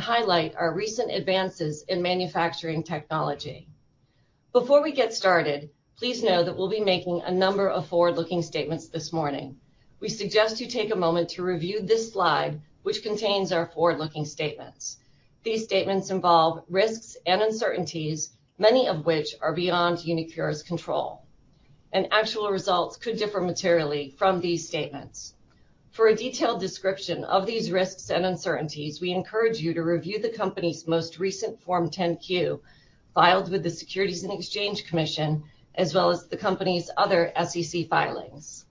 Highlight our recent advances in manufacturing technology. Before we get started, please know that we'll be making a number of forward-looking statements this morning. We suggest you take a moment to review this slide, which contains our forward-looking statements. These statements involve risks and uncertainties, many of which are beyond uniQure's control, and actual results could differ materially from these statements. For a detailed description of these risks and uncertainties, we encourage you to review the company's most recent Form 10-Q filed with the Securities and Exchange Commission, as well as the company's other SEC filings.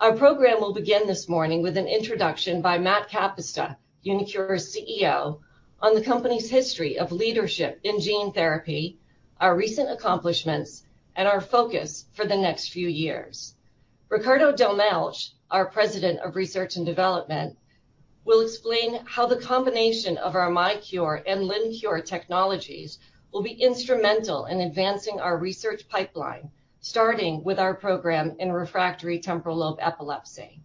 Our program will begin this morning with an introduction by Matt Kapusta, uniQure's CEO, on the company's history of leadership in gene therapy, our recent accomplishments, and our focus for the next few years. Ricardo Dolmetsch, our President of Research and Development, will explain how the combination of our uniQure and LinQURE technologies will be instrumental in advancing our research pipeline, starting with our program in refractory temporal lobe epilepsy.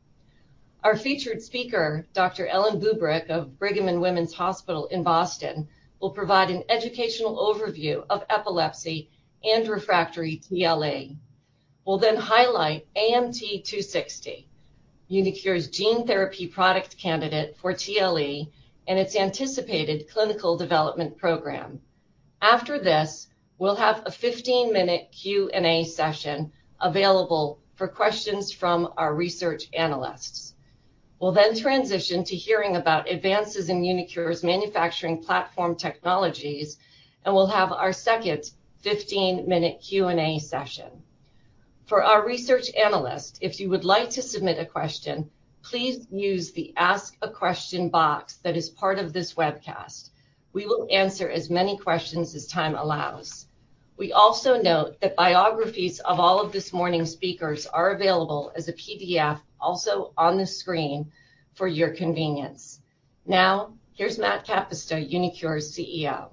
Our featured speaker, Dr. Ellen Bubrick of Brigham and Women's Hospital in Boston, will provide an educational overview of epilepsy and refractory TLE. We'll highlight AMT-260, uniQure's gene therapy product candidate for TLE and its anticipated clinical development program. After this, we'll have a 15-minute Q&A session available for questions from our research analysts. We'll transition to hearing about advances in uniQure's manufacturing platform technologies, and we'll have our second 15-minute Q&A session. For our research analyst, if you would like to submit a question, please use the Ask a Question box that is part of this webcast. We will answer as many questions as time allows. We also note that biographies of all of this morning's speakers are available as a PDF also on the screen for your convenience. Here's Matt Kapusta, uniQure's CEO.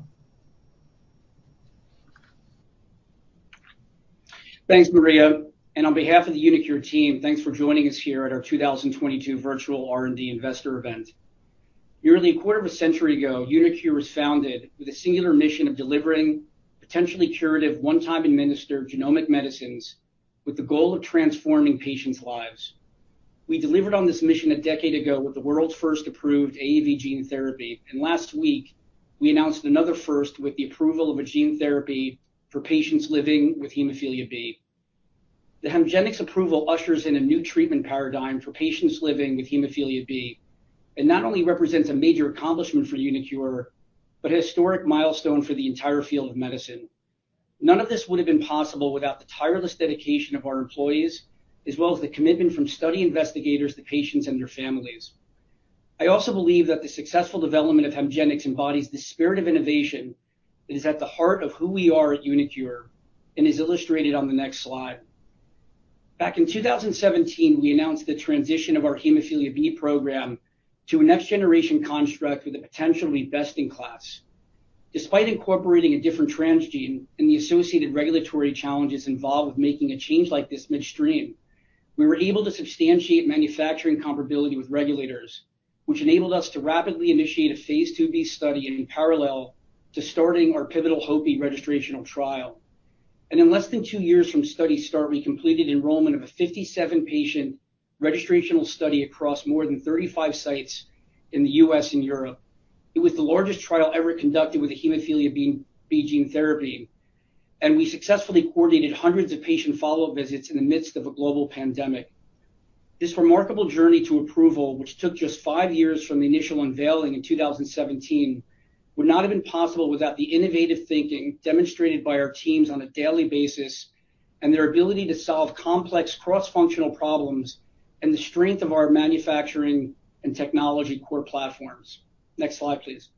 Thanks, Maria. On behalf of the uniQure team, thanks for joining us here at our 2022 virtual R&D Investor event. Nearly a quarter of a century ago, uniQure was founded with a singular mission of delivering potentially curative one-time administered genomic medicines with the goal of transforming patients' lives. We delivered on this mission a decade ago with the world's first approved AAV gene therapy, and last week we announced another first with the approval of a gene therapy for patients living with hemophilia B. The HEMGENIX approval ushers in a new treatment paradigm for patients living with hemophilia B and not only represents a major accomplishment for uniQure, but a historic milestone for the entire field of medicine. None of this would have been possible without the tireless dedication of our employees as well as the commitment from study investigators to patients and their families. I also believe that the successful development of HEMGENIX embodies the spirit of innovation that is at the heart of who we are at uniQure and is illustrated on the next slide. Back in 2017, we announced the transition of our hemophilia B program to a next generation construct with a potentially best in class. Despite incorporating a different transgene and the associated regulatory challenges involved with making a change like this midstream, we were able to substantiate manufacturing comparability with regulators, which enabled us to rapidly initiate a phase II-B study in parallel to starting our pivotal HOPE-B registrational trial. In less than two years from study start, we completed enrollment of a 57 patient registrational study across more than 35 sites in the U.S. and Europe. It was the largest trial ever conducted with a hemophilia B gene therapy, and we successfully coordinated hundreds of patient follow-up visits in the midst of a global pandemic. This remarkable journey to approval, which took just five years from the initial unveiling in 2017, would not have been possible without the innovative thinking demonstrated by our teams on a daily basis and their ability to solve complex cross-functional problems and the strength of our manufacturing and technology core platforms. Next slide, please.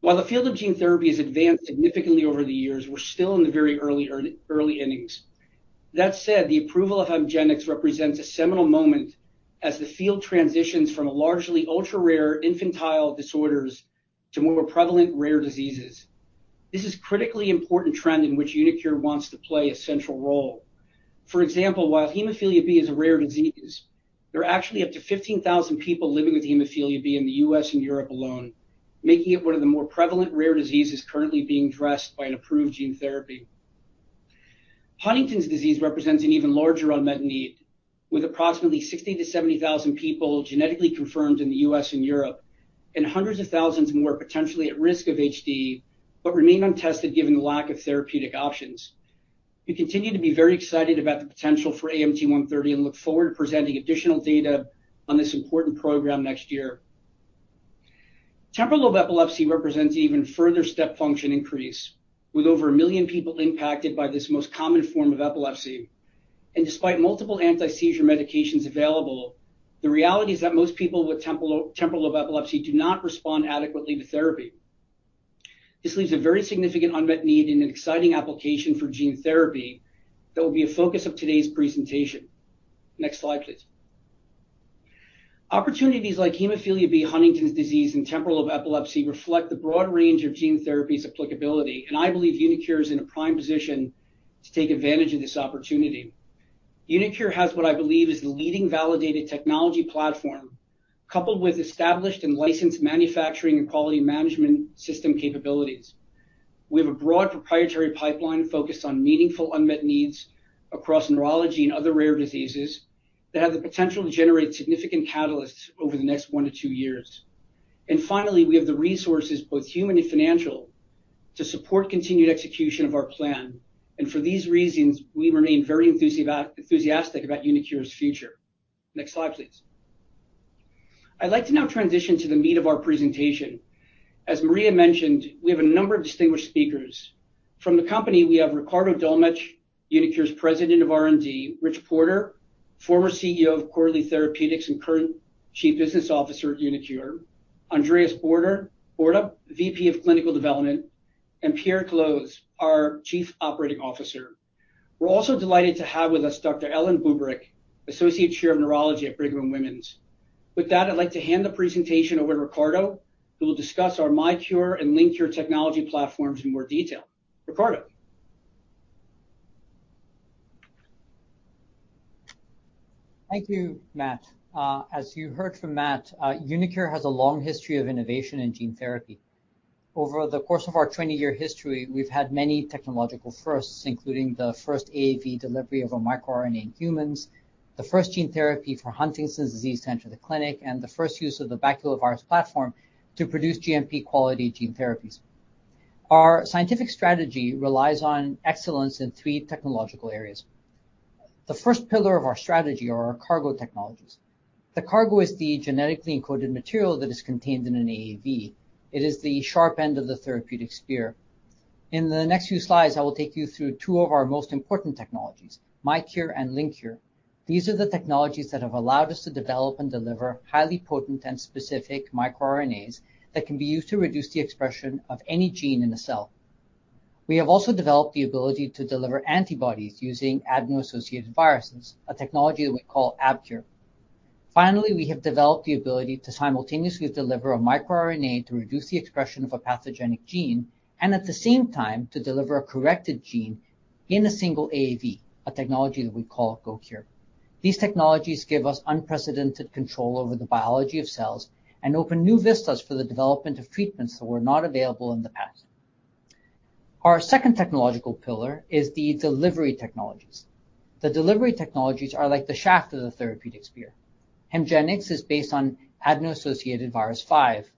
While the field of gene therapy has advanced significantly over the years, we're still in the very early innings. That said, the approval of HEMGENIX represents a seminal moment as the field transitions from a largely ultra-rare infantile disorders to more prevalent rare diseases. This is critically important trend in which uniQure wants to play a central role. For example, while hemophilia B is a rare disease, there are actually up to 15,000 people living with hemophilia B in the U.S. and Europe alone, making it one of the more prevalent rare diseases currently being addressed by an approved gene therapy. Huntington's disease represents an even larger unmet need, with approximately 60,000-70,000 people genetically confirmed in the U.S. And Europe, and hundreds of thousands more potentially at risk of HD, but remain untested given the lack of therapeutic options. We continue to be very excited about the potential for AMT-130 and look forward to presenting additional data on this important program next year. Temporal lobe epilepsy represents even further step function increase, with over 1 million people impacted by this most common form of epilepsy. Despite multiple anti-seizure medications available, the reality is that most people with temporal lobe epilepsy do not respond adequately to therapy. This leaves a very significant unmet need and an exciting application for gene therapy that will be a focus of today's presentation. Next slide, please. Opportunities like hemophilia B, Huntington's disease, and temporal lobe epilepsy reflect the broad range of gene therapy's applicability, and I believe uniQure is in a prime position to take advantage of this opportunity. uniQure has what I believe is the leading validated technology platform, coupled with established and licensed manufacturing and quality management system capabilities. We have a broad proprietary pipeline focused on meaningful unmet needs across neurology and other rare diseases that have the potential to generate significant catalysts over the next one to two years. Finally, we have the resources, both human and financial, to support continued execution of our plan. For these reasons, we remain very enthusiastic about uniQure's future. Next slide, please. I'd like to now transition to the meat of our presentation. As Maria mentioned, we have a number of distinguished speakers. From the company, we have Ricardo Dolmetsch, uniQure's President of R&D, Rich Porter, former CEO of Corlieve Therapeutics and current Chief Business Officer at uniQure, Andreas Börner, VP of Clinical Development, and Pierre Caloz, our Chief Operating Officer. We're also delighted to have with us Dr. Ellen Bubrick, Associate Chair of Neurology at Brigham and Women's. With that, I'd like to hand the presentation over to Ricardo, who will discuss our uniQure and LinQURE technology platforms in more detail. Ricardo. Thank you, Matt. As you heard from Matt, uniQure has a long history of innovation in gene therapy. Over the course of our 20-year history, we've had many technological firsts, including the first AAV delivery of a microRNA in humans, the first gene therapy for Huntington's disease to enter the clinic, and the first use of the baculovirus platform to produce GMP-quality gene therapies. Our scientific strategy relies on excellence in three technological areas. The first pillar of our strategy are our cargo technologies. The cargo is the genetically encoded material that is contained in an AAV. It is the sharp end of the therapeutic spear. In the next few slides, I will take you through two of our most important technologies, miQURE and LinQURE. These are the technologies that have allowed us to develop and deliver highly potent and specific microRNAs that can be used to reduce the expression of any gene in a cell. We have also developed the ability to deliver antibodies using adeno-associated viruses, a technology that we call AbQURE. Finally, we have developed the ability to simultaneously deliver a microRNA to reduce the expression of a pathogenic gene and at the same time to deliver a corrected gene in a single AAV, a technology that we call GoQURE. These technologies give us unprecedented control over the biology of cells and open new vistas for the development of treatments that were not available in the past. Our second technological pillar is the delivery technologies. The delivery technologies are like the shaft of the therapeutic spear. HEMGENIX is based on adeno-associated virus 5,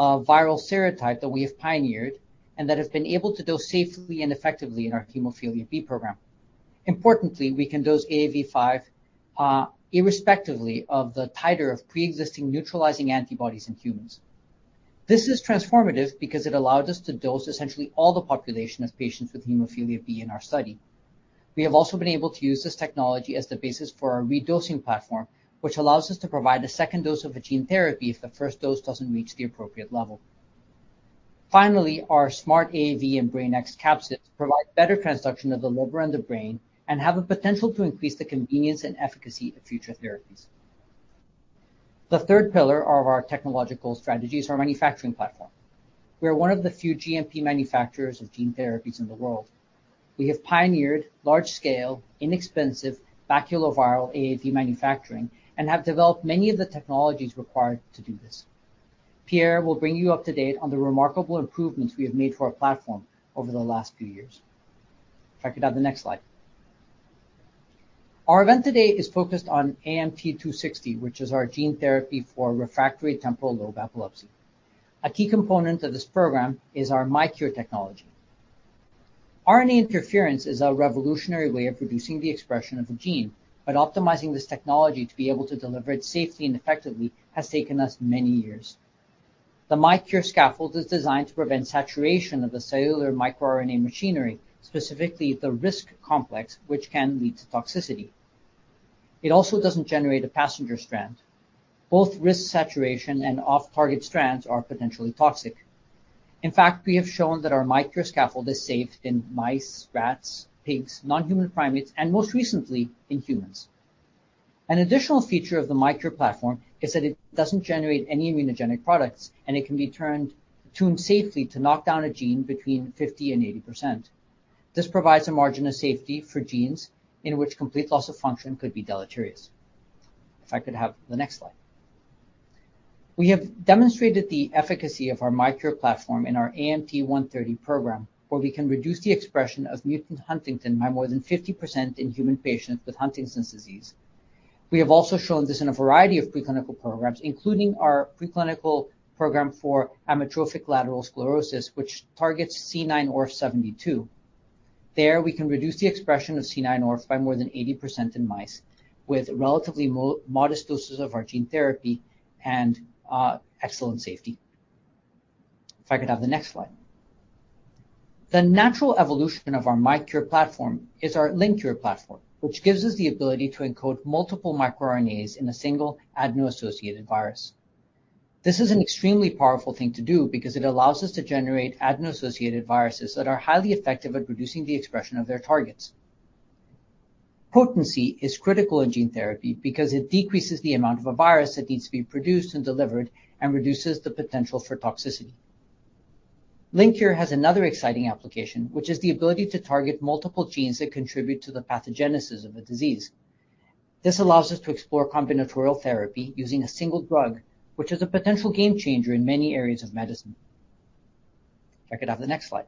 a viral serotype that we have pioneered and that have been able to dose safely and effectively in our hemophilia B program. Importantly, we can dose AAV5 irrespectively of the titer of pre-existing neutralizing antibodies in humans. This is transformative because it allowed us to dose essentially all the population of patients with hemophilia B in our study. We have also been able to use this technology as the basis for our redosing platform, which allows us to provide a second dose of a gene therapy if the first dose doesn't reach the appropriate level. Finally, our Smart AAV and BrainEx capsids provide better transduction of the liver and the brain and have a potential to increase the convenience and efficacy of future therapies. The third pillar of our technological strategy is our manufacturing platform. We are one of the few GMP manufacturers of gene therapies in the world. We have pioneered large-scale, inexpensive baculoviral AAV manufacturing and have developed many of the technologies required to do this. Pierre will bring you up to date on the remarkable improvements we have made to our platform over the last few years. If I could have the next slide. Our event today is focused on AMT-260, which is our gene therapy for refractory temporal lobe epilepsy. A key component of this program is our miQURE technology. RNA interference is a revolutionary way of reducing the expression of a gene, but optimizing this technology to be able to deliver it safely and effectively has taken us many years. The miQURE scaffold is designed to prevent saturation of the cellular microRNA machinery, specifically the RISC complex, which can lead to toxicity. It also doesn't generate a passenger strand. Both risk saturation and off-target strands are potentially toxic. In fact, we have shown that our miQURE scaffold is safe in mice, rats, pigs, non-human primates, and most recently in humans. An additional feature of the miQURE platform is that it doesn't generate any immunogenic products, and it can be tuned safely to knock down a gene between 50% and 80%. This provides a margin of safety for genes in which complete loss of function could be deleterious. If I could have the next slide. We have demonstrated the efficacy of our miQURE platform in our AMT-130 program, where we can reduce the expression of mutant huntingtin by more than 50% in human patients with Huntington's disease. We have also shown this in a variety of preclinical programs, including our preclinical program for amyotrophic lateral sclerosis, which targets C9orf72. There, we can reduce the expression of C9orf by more than 80% in mice with relatively modest doses of our gene therapy and excellent safety. If I could have the next slide. The natural evolution of our miQURE platform is our LinQURE platform, which gives us the ability to encode multiple microRNAs in a single adeno-associated virus. This is an extremely powerful thing to do because it allows us to generate adeno-associated viruses that are highly effective at reducing the expression of their targets. Potency is critical in gene therapy because it decreases the amount of a virus that needs to be produced and delivered and reduces the potential for toxicity. LinQURE has another exciting application, which is the ability to target multiple genes that contribute to the pathogenesis of a disease. This allows us to explore combinatorial therapy using a single drug, which is a potential game changer in many areas of medicine. Check it out the next slide.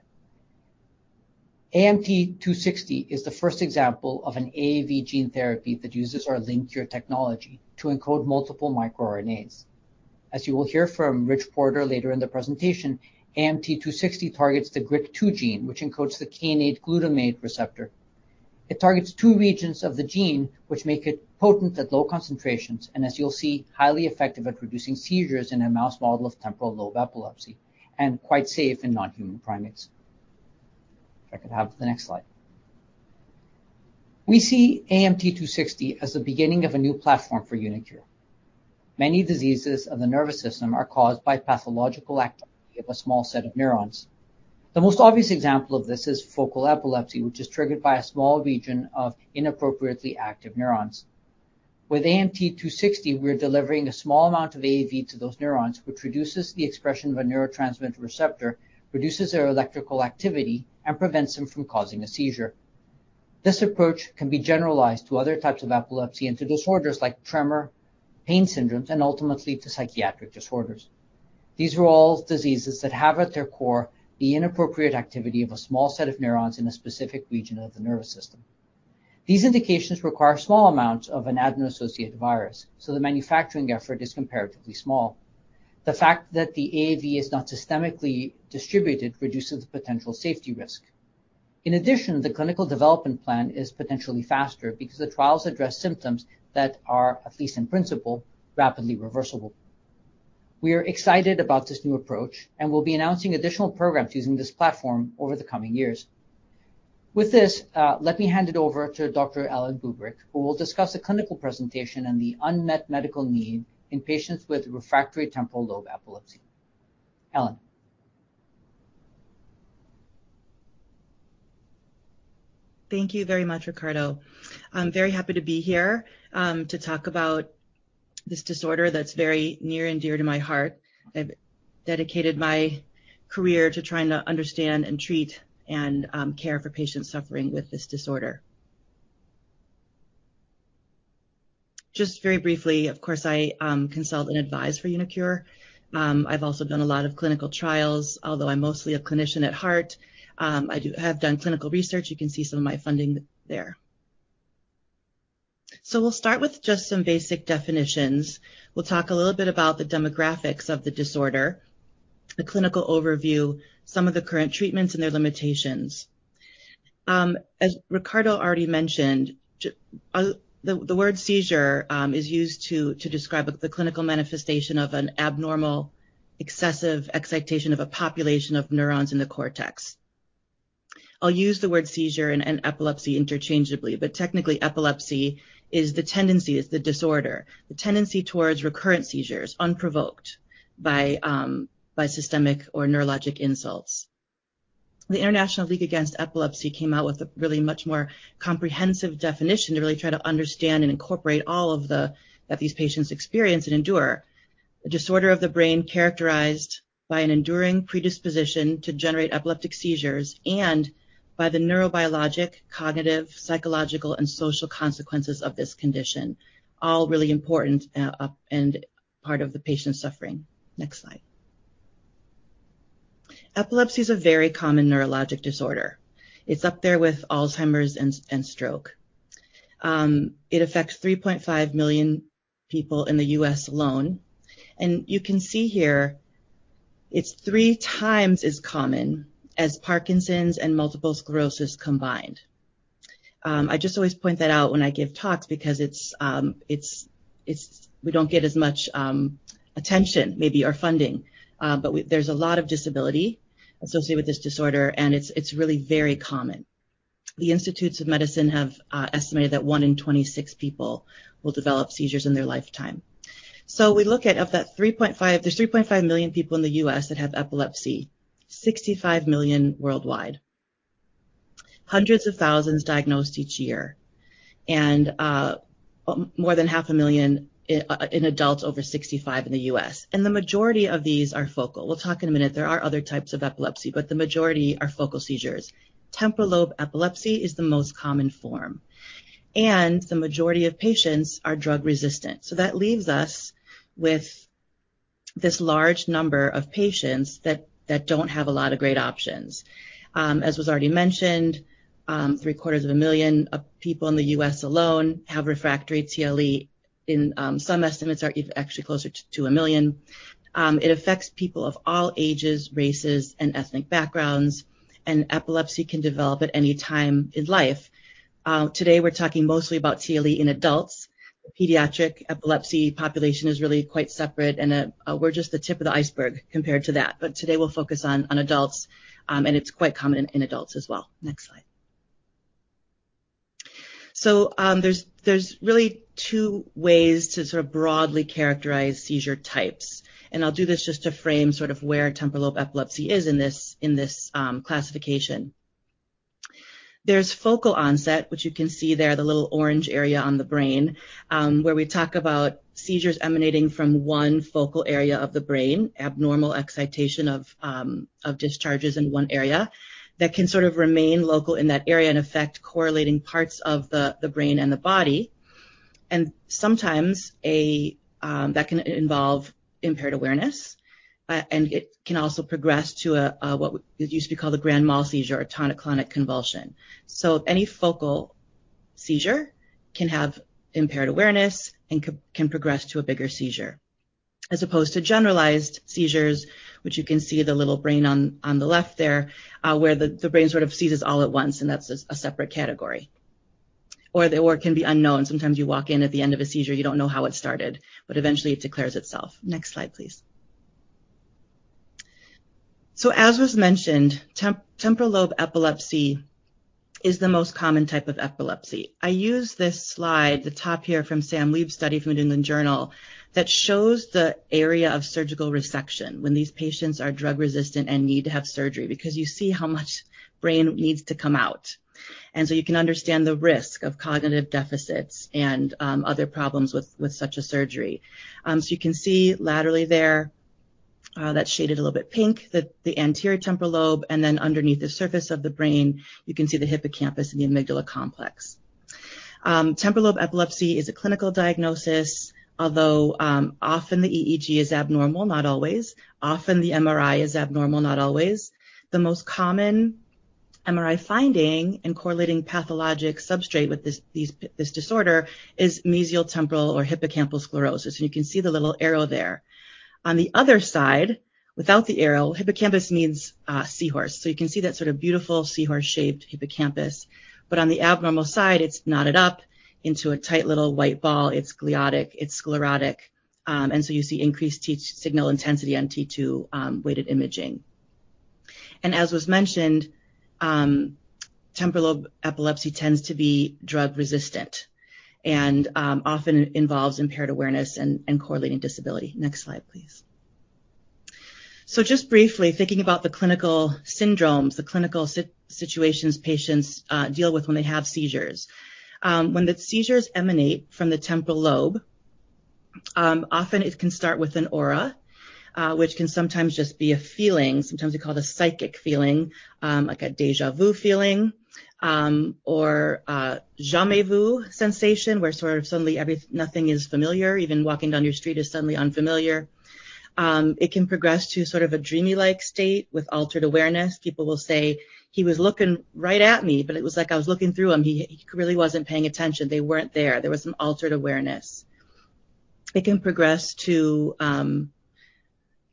AMT-260 is the first example of an AAV gene therapy that uses our LinQURE technology to encode multiple microRNAs. As you will hear from Rich Porter later in the presentation, AMT-260 targets the GRIK2 gene, which encodes the kainate glutamate receptor. It targets two regions of the gene, which make it potent at low concentrations, and as you'll see, highly effective at reducing seizures in a mouse model of temporal lobe epilepsy, and quite safe in non-human primates. If I could have the next slide. We see AMT-260 as the beginning of a new platform for uniQure. Many diseases of the nervous system are caused by pathological activity of a small set of neurons. The most obvious example of this is focal epilepsy, which is triggered by a small region of inappropriately active neurons. With AMT-260, we're delivering a small amount of AAV to those neurons, which reduces the expression of a neurotransmitter receptor, reduces their electrical activity, and prevents them from causing a seizure. This approach can be generalized to other types of epilepsy and to disorders like tremor, pain syndromes, and ultimately to psychiatric disorders. These are all diseases that have at their core the inappropriate activity of a small set of neurons in a specific region of the nervous system. These indications require small amounts of an adeno-associated virus. The manufacturing effort is comparatively small. The fact that the AAV is not systemically distributed reduces the potential safety risk. In addition, the clinical development plan is potentially faster because the trials address symptoms that are, at least in principle, rapidly reversible. We are excited about this new approach and will be announcing additional programs using this platform over the coming years. With this, let me hand it over to Dr. Ellen Bubrick, who will discuss the clinical presentation and the unmet medical need in patients with refractory temporal lobe epilepsy. Ellen. Thank you very much, Ricardo. I'm very happy to be here to talk about this disorder that's very near and dear to my heart. I've dedicated my career to trying to understand and treat and care for patients suffering with this disorder. Just very briefly, of course, I consult and advise for uniQure. I've also done a lot of clinical trials, although I'm mostly a clinician at heart. I do have done clinical research. You can see some of my funding there. We'll start with just some basic definitions. We'll talk a little bit about the demographics of the disorder, the clinical overview, some of the current treatments, and their limitations. As Ricardo already mentioned, the word seizure is used to describe the clinical manifestation of an abnormal, excessive excitation of a population of neurons in the cortex. I'll use the word seizure and epilepsy interchangeably, but technically, epilepsy is the tendency, it's the disorder, the tendency towards recurrent seizures unprovoked by systemic or neurologic insults. The International League Against Epilepsy came out with a really much more comprehensive definition to really try to understand and incorporate all that these patients experience and endure. A disorder of the brain characterized by an enduring predisposition to generate epileptic seizures and by the neurobiologic, cognitive, psychological, and social consequences of this condition, all really important and part of the patient's suffering. Next slide. Epilepsy is a very common neurologic disorder. It's up there with Alzheimer's and stroke. It affects 3.5 million people in the U.S. alone, you can see here it's 3x as common as Parkinson's and Multiple Sclerosis combined. I just always point that out when I give talks because it's we don't get as much attention maybe or funding, but there's a lot of disability associated with this disorder, and it's really very common. The Institute of Medicine have estimated that one in 26 people will develop seizures in their lifetime. There's 3.5 million people in the U.S. That have epilepsy, 65 million worldwide, hundreds of thousands diagnosed each year, and more than half a million in adults over 65 in the U.S. The majority of these are focal. We'll talk in a minute. There are other types of epilepsy, but the majority are focal seizures. temporal lobe epilepsy is the most common form, and the majority of patients are drug resistant. That leaves us with this large number of patients that don't have a lot of great options. As was already mentioned, three-quarters of a million of people in the U.S. alone have refractory TLE, and some estimates are actually closer to a million. It affects people of all ages, races, and ethnic backgrounds, and epilepsy can develop at any time in life. Today, we're talking mostly about TLE in adults. Pediatric epilepsy population is really quite separate, and we're just the tip of the iceberg compared to that. Today, we'll focus on adults, and it's quite common in adults as well. Next slide. There's really two ways to sort of broadly characterize seizure types, and I'll do this just to frame sort of where temporal lobe epilepsy is in this classification. There's focal onset, which you can see there, the little orange area on the brain, where we talk about seizures emanating from one focal area of the brain, abnormal excitation of discharges in one area that can sort of remain local in that area and affect correlating parts of the brain and the body. Sometimes that can involve impaired awareness, and it can also progress to what used to be called a grand mal seizure or tonic-clonic convulsion. Any focal seizure can have impaired awareness and can progress to a bigger seizure, as opposed to generalized seizures, which you can see the little brain on the left there, where the brain sort of seizes all at once, and that's a separate category. It can be unknown. Sometimes you walk in at the end of a seizure, you don't know how it started, but eventually it declares itself. Next slide, please. As was mentioned, temporal lobe epilepsy is the most common type of epilepsy. I use this slide, the top here from Sam Leavitt's study from The New England Journal of Medicine, that shows the area of surgical resection when these patients are drug-resistant and need to have surgery because you see how much brain needs to come out. You can understand the risk of cognitive deficits and other problems with such a surgery. You can see laterally there, that's shaded a little bit pink, the anterior temporal lobe, and then underneath the surface of the brain, you can see the hippocampus and the amygdala complex. Temporal lobe epilepsy is a clinical diagnosis, although often the EEG is abnormal, not always. Often, the MRI is abnormal, not always. The most common MRI finding in correlating pathologic substrate with this disorder is mesial temporal or hippocampal sclerosis, and you can see the little arrow there. On the other side, without the arrow, hippocampus means seahorse. You can see that sort of beautiful seahorse-shaped hippocampus. On the abnormal side, it's knotted up into a tight little white ball. It's gliotic, it's sclerotic, you see increased T-signal intensity on T2 weighted imaging. As was mentioned, temporal lobe epilepsy tends to be drug resistant and often involves impaired awareness and correlating disability. Next slide, please. Just briefly, thinking about the clinical syndromes, the clinical situations patients deal with when they have seizures. When the seizures emanate from the temporal lobe, often it can start with an aura, which can sometimes just be a feeling. Sometimes we call it a psychic feeling, like a déjà vu feeling, or a jamais vu sensation, where sort of suddenly nothing is familiar, even walking down your street is suddenly unfamiliar. It can progress to sort of a dreamy-like state with altered awareness. People will say, he was looking right at me, but it was like I was looking through him. He really wasn't paying attention. They weren't there. There was some altered awareness. It can progress to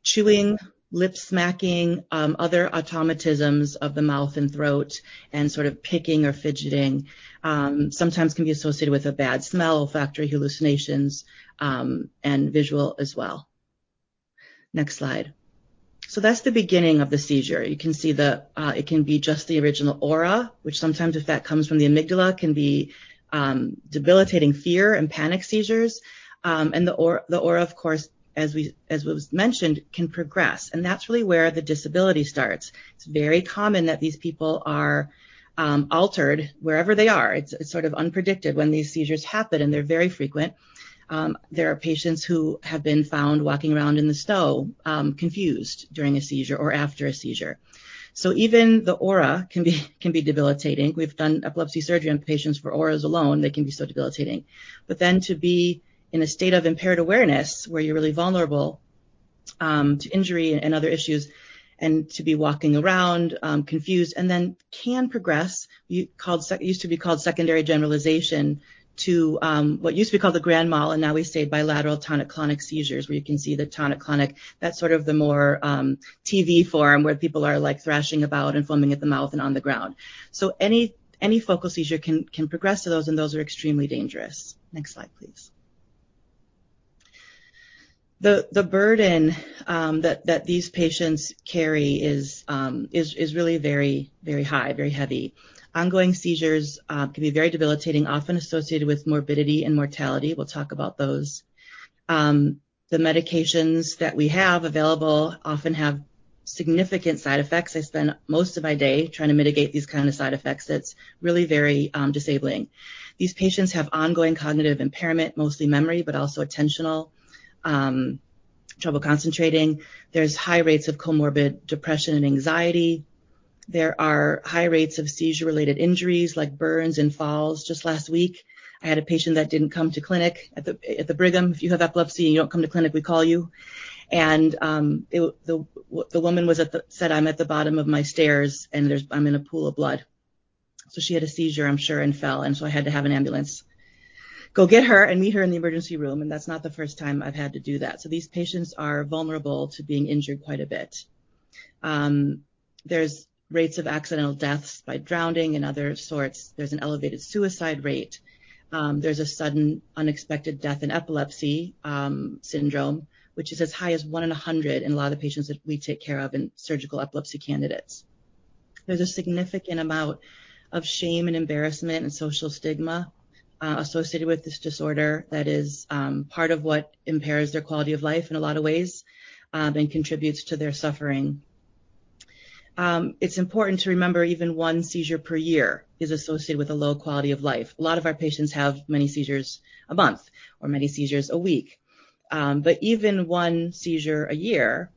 chewing, lip smacking, other automatisms of the mouth and throat, and sort of picking or fidgeting. Sometimes can be associated with a bad smell, olfactory hallucinations, and visual as well. Next slide. That's the beginning of the seizure. You can see the, it can be just the original aura, which sometimes if that comes from the amygdala, can be debilitating fear and panic seizures. And the aura, of course, as we, as was mentioned, can progress, and that's really where the disability starts. It's very common that these people are altered wherever they are. It's sort of unpredicted when these seizures happen, and they're very frequent. There are patients who have been found walking around in the snow, confused during a seizure or after a seizure. Even the aura can be debilitating. We've done epilepsy surgery on patients for auras alone. They can be so debilitating. To be in a state of impaired awareness where you're really vulnerable to injury and other issues, and to be walking around, confused, and then can progress. It used to be called secondary generalization to what used to be called the grand mal, and now we say bilateral tonic-clonic seizures, where you can see the tonic-clonic. That's sort of the more TV form where people are, like, thrashing about and foaming at the mouth and on the ground. Any focal seizure can progress to those, and those are extremely dangerous. Next slide, please. The burden that these patients carry is really very, very high, very heavy. Ongoing seizures can be very debilitating, often associated with morbidity and mortality. We'll talk about those. The medications that we have available often have significant side effects. I spend most of my day trying to mitigate these kind of side effects. It's really very disabling. These patients have ongoing cognitive impairment, mostly memory, but also attentional trouble concentrating. There's high rates of comorbid depression and anxiety. There are high rates of seizure-related injuries like burns and falls. Just last week, I had a patient that didn't come to clinic at the Brigham. If you have epilepsy and you don't come to clinic, we call you. The woman was at the, said, I'm at the bottom of my stairs, and I'm in a pool of blood. She had a seizure, I'm sure, and fell. I had to have an ambulance go get her and meet her in the emergency room, and that's not the first time I've had to do that. These patients are vulnerable to being injured quite a bit. There's rates of accidental deaths by drowning and other sorts. There's an elevated suicide rate. There's a sudden unexpected death in epilepsy syndrome, which is as high as one in 100 in a lot of the patients that we take care of in surgical epilepsy candidates. There's a significant amount of shame and embarrassment and social stigma associated with this disorder that is part of what impairs their quality of life in a lot of ways and contributes to their suffering. It's important to remember even one seizure per year is associated with a low quality of life. A lot of our patients have many seizures a month or many seizures a week. Even one seizure a year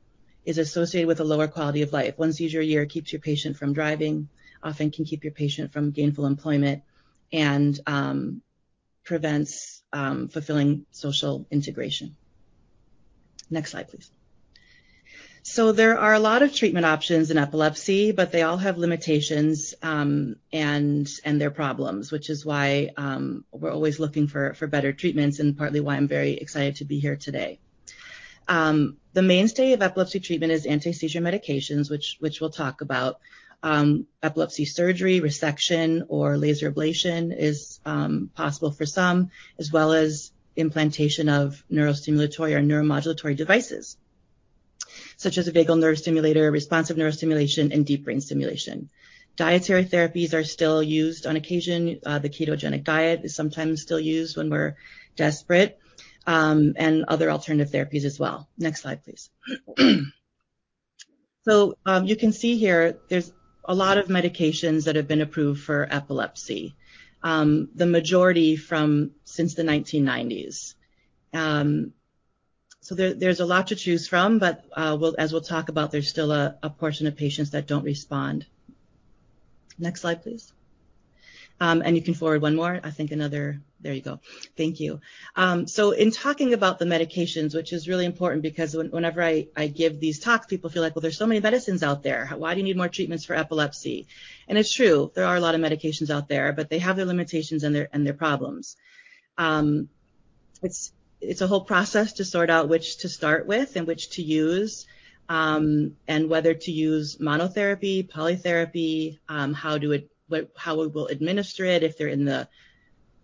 is associated with a lower quality of life. One seizure a year keeps your patient from driving, often can keep your patient from gainful employment, and prevents fulfilling social integration. Next slide, please. There are a lot of treatment options in epilepsy, but they all have limitations, and their problems, which is why we're always looking for better treatments, and partly why I'm very excited to be here today. The mainstay of epilepsy treatment is anti-seizure medications, which we'll talk about. Epilepsy surgery, resection, or laser ablation is possible for some, as well as implantation of neurostimulatory or neuromodulatory devices, such as a vagal nerve stimulator, Responsive Neurostimulation, and Deep Brain Stimulation. Dietary therapies are still used on occasion. The ketogenic diet is sometimes still used when we're desperate, and other alternative therapies as well. Next slide, please. You can see here, there's a lot of medications that have been approved for epilepsy. The majority from since the 1990s. There, there's a lot to choose from, but as we'll talk about, there's still a portion of patients that don't respond. Next slide, please. You can forward one more. I think. There you go. Thank you. In talking about the medications, which is really important because whenever I give these talks, people feel like, well, there's so many medicines out there. Why do you need more treatments for epilepsy? It's true, there are a lot of medications out there, but they have their limitations and their problems. It's a whole process to sort out which to start with and which to use, and whether to use monotherapy, polytherapy, how we will administer it if they're in the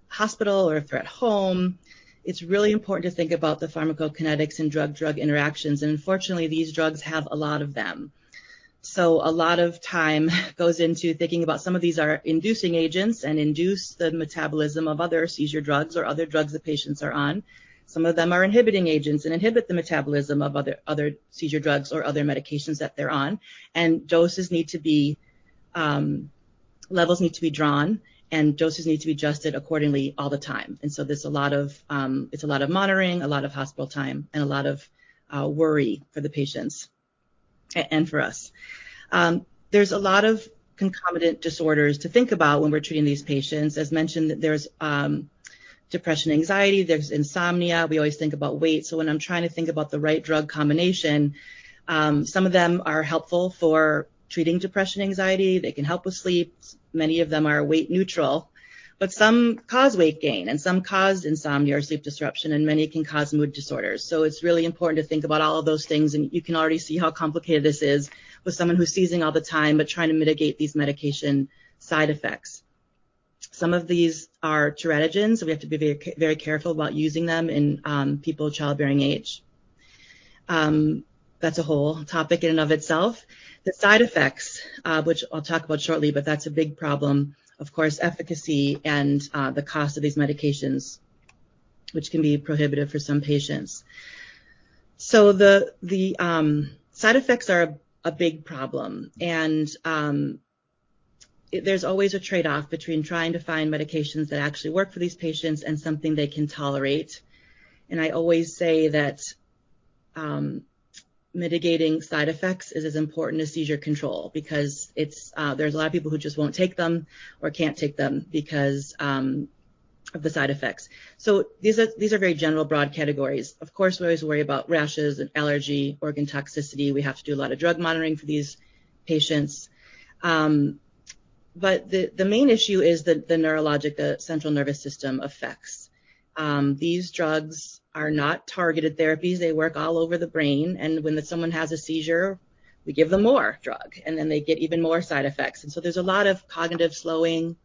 hospital or if they're at home. It's really important to think about the pharmacokinetics and drug-drug interactions. Unfortunately, these drugs have a lot of them. A lot of time goes into thinking about some of these are inducing agents and induce the metabolism of other seizure drugs or other drugs the patients are on. Some of them are inhibiting agents and inhibit the metabolism of other seizure drugs or other medications that they're on. Doses need to be, levels need to be drawn, and doses need to be adjusted accordingly all the time. There's a lot of, it's a lot of monitoring, a lot of hospital time, and a lot of worry for the patients and for us. There's a lot of concomitant disorders to think about when we're treating these patients. As mentioned, there's depression, anxiety, there's insomnia. We always think about weight. When I'm trying to think about the right drug combination, some of them are helpful for treating depression, anxiety. They can help with sleep. Many of them are weight neutral. Some cause weight gain, and some cause insomnia or sleep disruption, and many can cause mood disorders. It's really important to think about all of those things, and you can already see how complicated this is with someone who's seizing all the time, but trying to mitigate these medication side effects. Some of these are teratogens, so we have to be very careful about using them in people of childbearing age. That's a whole topic in and of itself. The side effects, which I'll talk about shortly, but that's a big problem. Of course, efficacy and the cost of these medications, which can be prohibitive for some patients. The side effects are a big problem. There's always a trade-off between trying to find medications that actually work for these patients and something they can tolerate. I always say that mitigating side effects is as important as seizure control because there's a lot of people who just won't take them or can't take them because of the side effects. These are very general broad categories. Of course, we always worry about rashes and allergy, organ toxicity. We have to do a lot of drug monitoring for these patients. The main issue is the neurologic, the central nervous system effects. These drugs are not targeted therapies. They work all over the brain. When someone has a seizure, we give them more drug, and then they get even more side effects. There's a lot of cognitive slowing,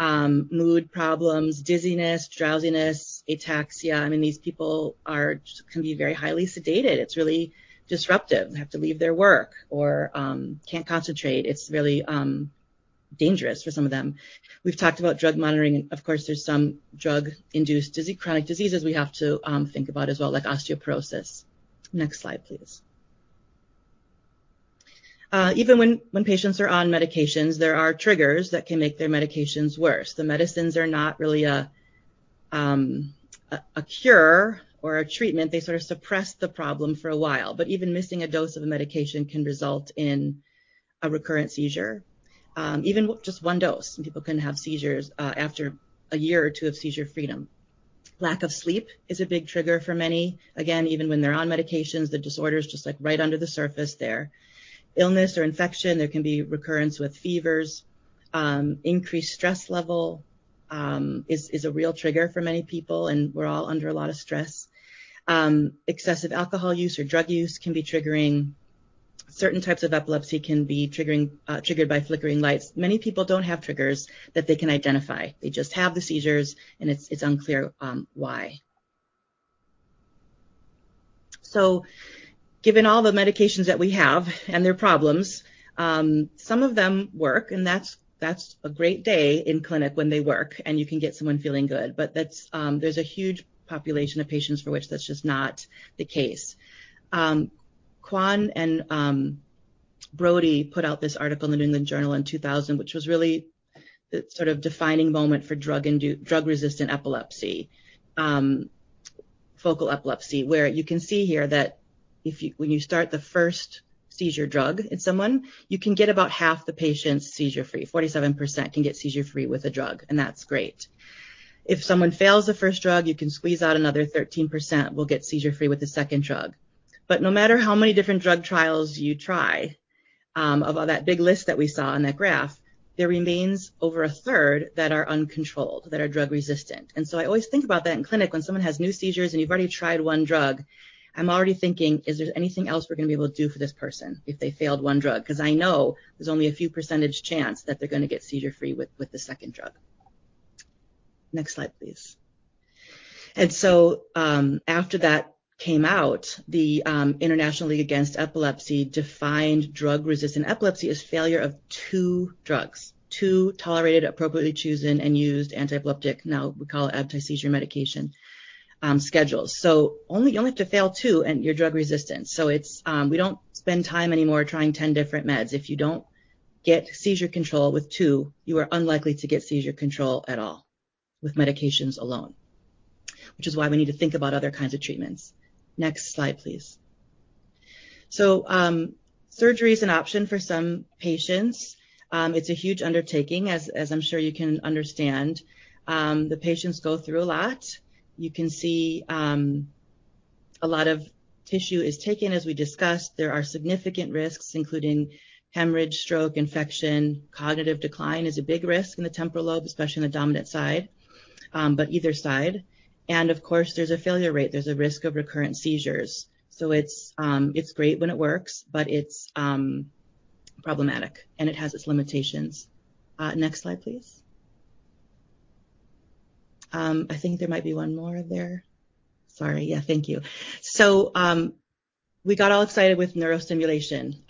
mood problems, dizziness, drowsiness, ataxia. I mean, these people can be very highly sedated. It's really disruptive. They have to leave their work or can't concentrate. It's really dangerous for some of them. We've talked about drug monitoring. Of course, there's some drug-induced chronic diseases we have to think about as well, like osteoporosis. Next slide, please. Even when patients are on medications, there are triggers that can make their medications worse. The medicines are not really a cure or a treatment. They sort of suppress the problem for a while, but even missing a dose of a medication can result in a recurrent seizure. Even just one dose, and people can have seizures after a year or two of seizure freedom. Lack of sleep is a big trigger for many. Again, even when they're on medications, the disorder is just, like, right under the surface there. Illness or infection, there can be recurrence with fevers. Increased stress level is a real trigger for many people, and we're all under a lot of stress. Excessive alcohol use or drug use can be triggering. Certain types of epilepsy can be triggering, triggered by flickering lights. Many people don't have triggers that they can identify. They just have the seizures, and it's unclear why. Given all the medications that we have and their problems, some of them work, and that's a great day in clinic when they work, and you can get someone feeling good. That's there's a huge population of patients for which that's just not the case. Quan and Brody put out this article in The New England Journal of Medicine in 2000, which was really the sort of defining moment for drug-resistant epilepsy, focal epilepsy. You can see here that when you start the first seizure drug in someone, you can get about half the patients seizure-free. 47% can get seizure-free with a drug, that's great. If someone fails the first drug, you can squeeze out another 13% will get seizure-free with the second drug. No matter how many different drug trials you try, of all that big list that we saw on that graph, there remains over a third that are uncontrolled, that are drug-resistant. I always think about that in clinic. When someone has new seizures and you've already tried one drug, I'm already thinking, is there anything else we're gonna be able to do for this person if they failed one drug? 'Cause I know there's only a few percentage chance that they're gonna get seizure-free with the second drug. Next slide, please. After that came out, the International League Against Epilepsy defined drug-resistant epilepsy as failure of two drugs. Two tolerated, appropriately chosen, and used antiepileptic, now we call it anti-seizure medication, schedules. You only have to fail two, and you're drug-resistant. We don't spend time anymore trying 10 different meds. If you don't get seizure control with two, you are unlikely to get seizure control at all with medications alone, which is why we need to think about other kinds of treatments. Next slide, please. Surgery is an option for some patients. It's a huge undertaking, as I'm sure you can understand. The patients go through a lot. You can see, a lot of tissue is taken. As we discussed, there are significant risks, including hemorrhage, stroke, infection. Cognitive decline is a big risk in the temporal lobe, especially in the dominant side, but either side. Of course, there's a failure rate. There's a risk of recurrent seizures. It's great when it works, but it's problematic, and it has its limitations. Next slide, please. I think there might be one more there. Sorry. Yeah. Thank you. We got all excited with neurostimulation,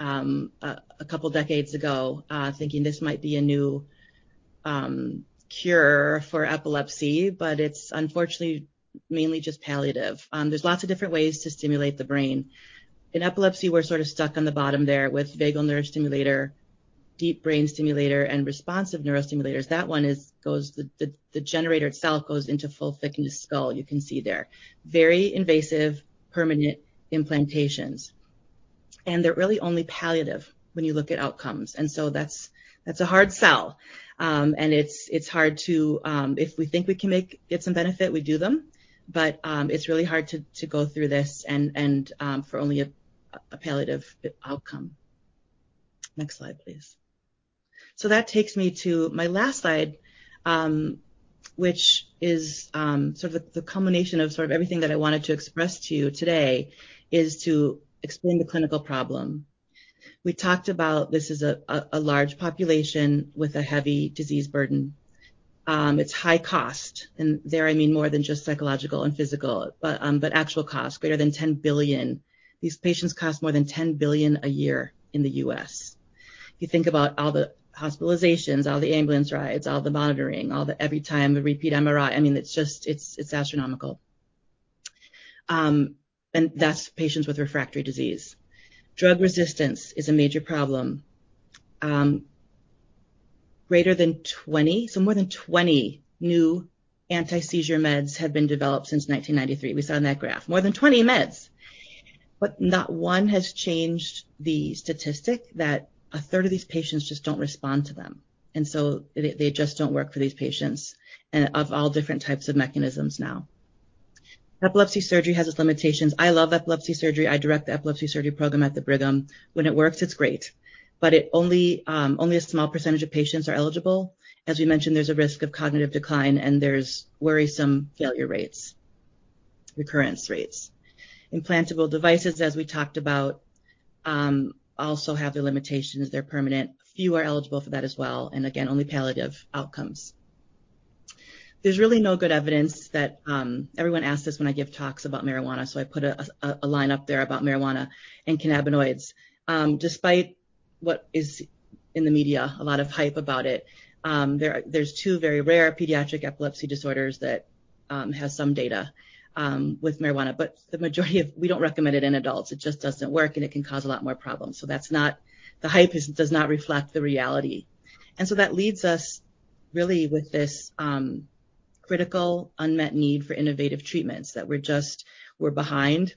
a couple decades ago, thinking this might be a new cure for epilepsy, but it's unfortunately mainly just palliative. There's lots of different ways to stimulate the brain. In epilepsy, we're sort of stuck on the bottom there with vagal neurostimulator, deep brain stimulator, and responsive neurostimulators. That one, the generator itself goes into full thickness skull. You can see there. Very invasive, permanent implantations. They're really only palliative when you look at outcomes. That's a hard sell. It's hard to get some benefit, we do them. It's really hard to go through this and for only a palliative outcome. Next slide, please. That takes me to my last slide, which is sort of the culmination of sort of everything that I wanted to express to you today, is to explain the clinical problem. We talked about this is a large population with a heavy disease burden. It's high cost, I mean more than just psychological and physical, but actual cost, greater than $10 billion. These patients cost more than $10 billion a year in the U.S. You think about all the hospitalizations, all the ambulance rides, all the monitoring, all the every time, the repeat MRI. I mean, it's just astronomical. That's patients with refractory disease. Drug resistance is a major problem. Greater than 20, more than 20 new anti-seizure meds have been developed since 1993. We saw on that graph. More than 20 meds. Not one has changed the statistic that a third of these patients just don't respond to them. They just don't work for these patients. Of all different types of mechanisms now. Epilepsy surgery has its limitations. I love epilepsy surgery. I direct the epilepsy surgery program at the Brigham. When it works, it's great, but it only a small percentage of patients are eligible. As we mentioned, there's a risk of cognitive decline, there's worrisome failure rates, recurrence rates. Implantable devices, as we talked about, also have their limitations. They're permanent. Few are eligible for that as well, again, only palliative outcomes. There's really no good evidence that, everyone asks this when I give talks about marijuana, I put a line up there about marijuana and cannabinoids. Despite what is in the media, a lot of hype about it, there's two very rare pediatric epilepsy disorders that have some data with marijuana. The majority of, we don't recommend it in adults. It just doesn't work, and it can cause a lot more problems. That's not. The hype does not reflect the reality. That leads us really with this critical unmet need for innovative treatments that we're behind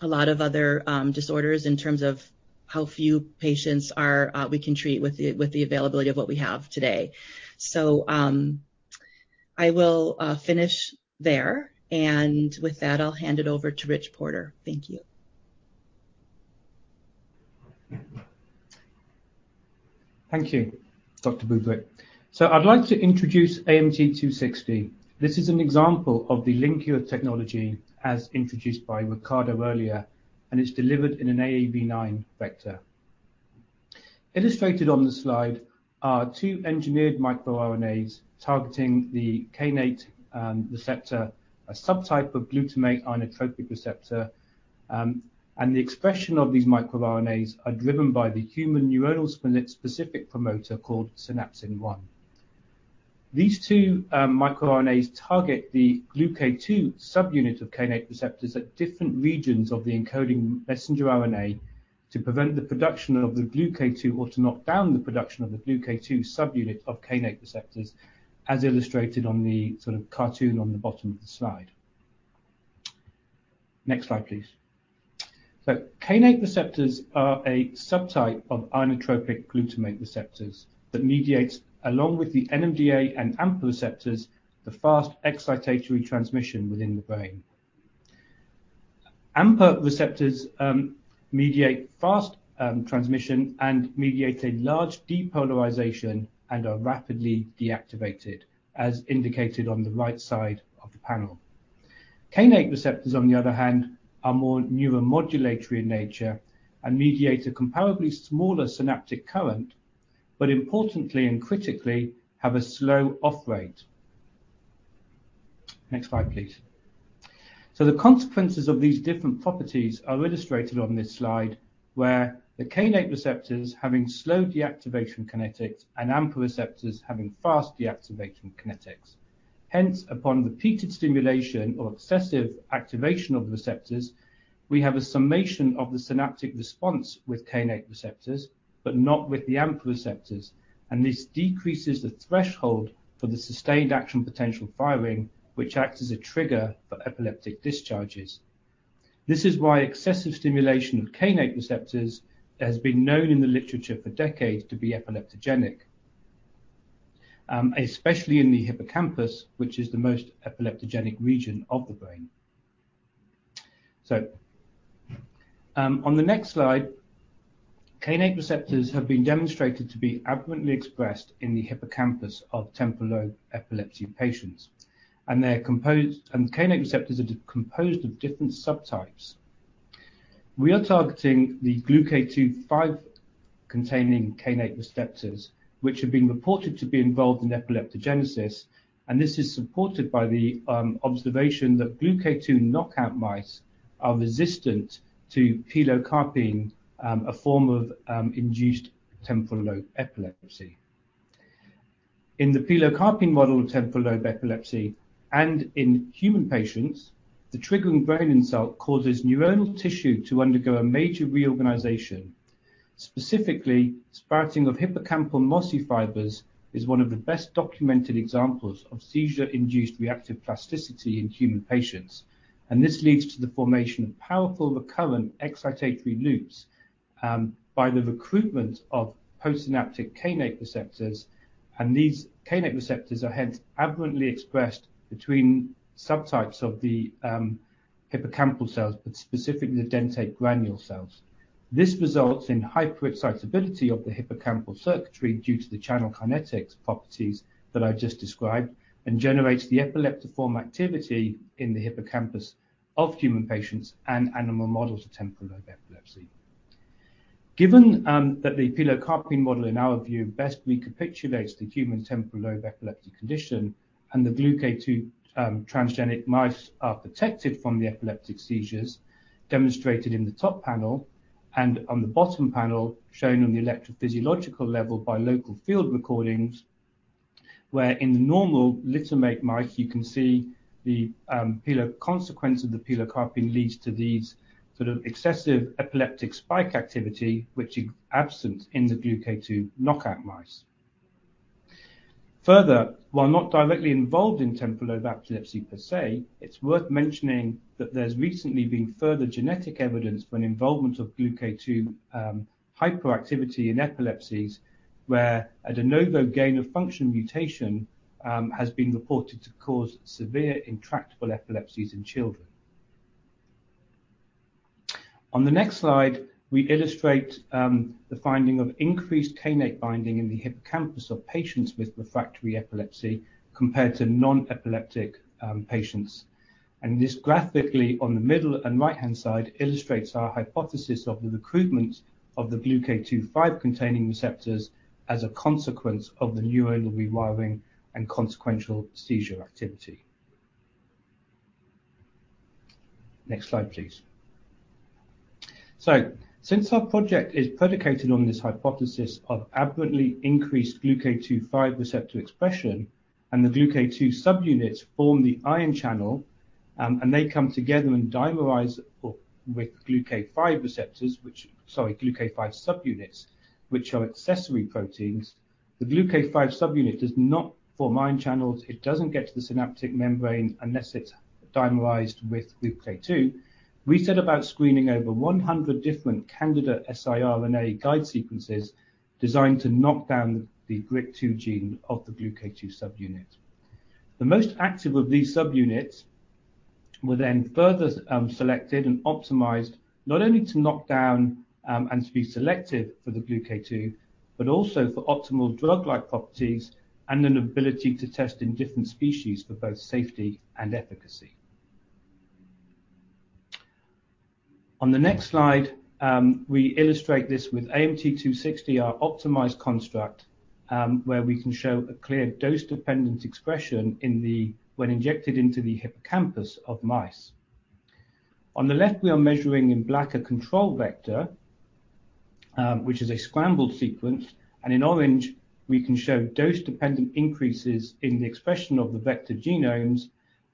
a lot of other disorders in terms of how few patients are we can treat with the, with the availability of what we have today. I will finish there. With that, I'll hand it over to Rich Porter. Thank you. Thank you, Dr. Bubrick. I'd like to introduce AMT-260. This is an example of the LinQURE technology as introduced by Ricardo earlier, and it's delivered in an AAV9 vector. Illustrated on the slide are two engineered microRNAs targeting the kainate receptor, a subtype of glutamate ionotropic receptor. The expression of these microRNAs are driven by the human neuronal-specific promoter called synapsin I. These two microRNAs target the GluK2 subunit of kainate receptors at different regions of the encoding messenger RNA to prevent the production of the GluK2, or to knock down the production of the GluK2 subunit of kainate receptors, as illustrated on the sort of cartoon on the bottom of the slide. Next slide, please. Kainate receptors are a subtype of ionotropic glutamate receptors that mediate, along with the NMDA and AMPA receptors, the fast excitatory transmission within the brain. AMPA receptors mediate fast transmission and mediate a large depolarization and are rapidly deactivated, as indicated on the right side of the panel. Kainate receptors, on the other hand, are more neuromodulatory in nature and mediate a comparably smaller synaptic current, but importantly and critically, have a slow off rate. Next slide, please. The consequences of these different properties are illustrated on this slide, where the kainate receptors having slow deactivation kinetics and AMPA receptors having fast deactivation kinetics. Hence, upon repeated stimulation or excessive activation of the receptors, we have a summation of the synaptic response with kainate receptors, but not with the AMPA receptors, and this decreases the threshold for the sustained action potential firing, which acts as a trigger for epileptic discharges. This is why excessive stimulation of kainate receptors has been known in the literature for decades to be epileptogenic, especially in the hippocampus, which is the most epileptogenic region of the brain. On the next slide, kainate receptors have been demonstrated to be abundantly expressed in the hippocampus of temporal lobe epilepsy patients, and kainate receptors are composed of different subtypes. We are targeting the GluK5-containing kainate receptors, which have been reported to be involved in epileptogenesis, and this is supported by the observation that GluK2 knockout mice are resistant to pilocarpine, a form of induced temporal lobe epilepsy. In the pilocarpine model of temporal lobe epilepsy and in human patients, the triggering brain insult causes neuronal tissue to undergo a major reorganization. Specifically, sprouting of hippocampal mossy fibers is one of the best documented examples of seizure-induced reactive plasticity in human patients. This leads to the formation of powerful recurrent excitatory loops, by the recruitment of postsynaptic kainate receptors. These kainate receptors are hence abundantly expressed between subtypes of the hippocampal cells, but specifically the dentate granule cells. This results in hyperexcitability of the hippocampal circuitry due to the channel kinetics properties that I've just described, and generates the epileptiform activity in the hippocampus of human patients and animal models of temporal lobe epilepsy. Given that the pilocarpine model, in our view, best recapitulates the human temporal lobe epilepsy condition and the GluK2 transgenic mice are protected from the epileptic seizures, demonstrated in the top panel and on the bottom panel, shown on the electrophysiological level by local field recordings, where in the normal littermate mice you can see the consequence of the pilocarpine leads to these sort of excessive epileptic spike activity which is absent in the GluK2 knockout mice. Further, while not directly involved in temporal lobe epilepsy per se, it's worth mentioning that there's recently been further genetic evidence for an involvement of GluK2 hyperactivity in epilepsies, where a de novo gain of function mutation has been reported to cause severe intractable epilepsies in children. On the next slide, we illustrate the finding of increased kainate binding in the hippocampus of patients with refractory epilepsy compared to non-epileptic patients. This graphically, on the middle and right-hand side, illustrates our hypothesis of the recruitment of the GluK5-containing receptors as a consequence of the neuronal rewiring and consequential seizure activity. Next slide, please. Since our project is predicated on this hypothesis of abundantly increased GluK5 receptor expression, and the GluK2 subunits form the ion channel, and they come together and dimerize up with GluK5 receptors which, sorry, GluK5 subunits, which are accessory proteins. The GluK5 subunit does not form ion channels. It doesn't get to the synaptic membrane unless it's dimerized with GluK2. We set about screening over 100 different candidate siRNA guide sequences designed to knock down the GRIK2 gene of the GluK2 subunit. The most active of these subunits were then further selected and optimized not only to knock down and to be selective for the GluK2, but also for optimal drug-like properties and an ability to test in different species for both safety and efficacy. On the next slide, we illustrate this with AMT-260, our optimized construct, where we can show a clear dose-dependent expression when injected into the hippocampus of mice. On the left, we are measuring in black a control vector, which is a scrambled sequence. In orange, we can show dose-dependent increases in the expression of the vector genomes.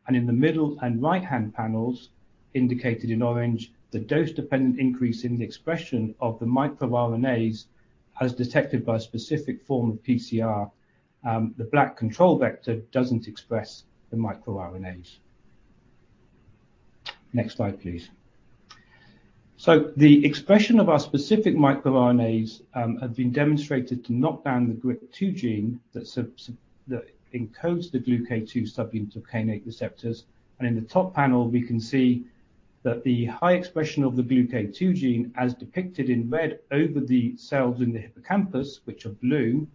In the middle and right-hand panels indicated in orange, the dose-dependent increase in the expression of the microRNAs as detected by a specific form of PCR. The black control vector doesn't express the microRNAs. Next slide, please. The expression of our specific microRNAs have been demonstrated to knock down the GRIN2B gene that encodes the GluK2 subunit of kainate receptors. In the top panel we can see that the high expression of the GluK2 gene as depicted in red over the cells in the hippocampus, which are blue,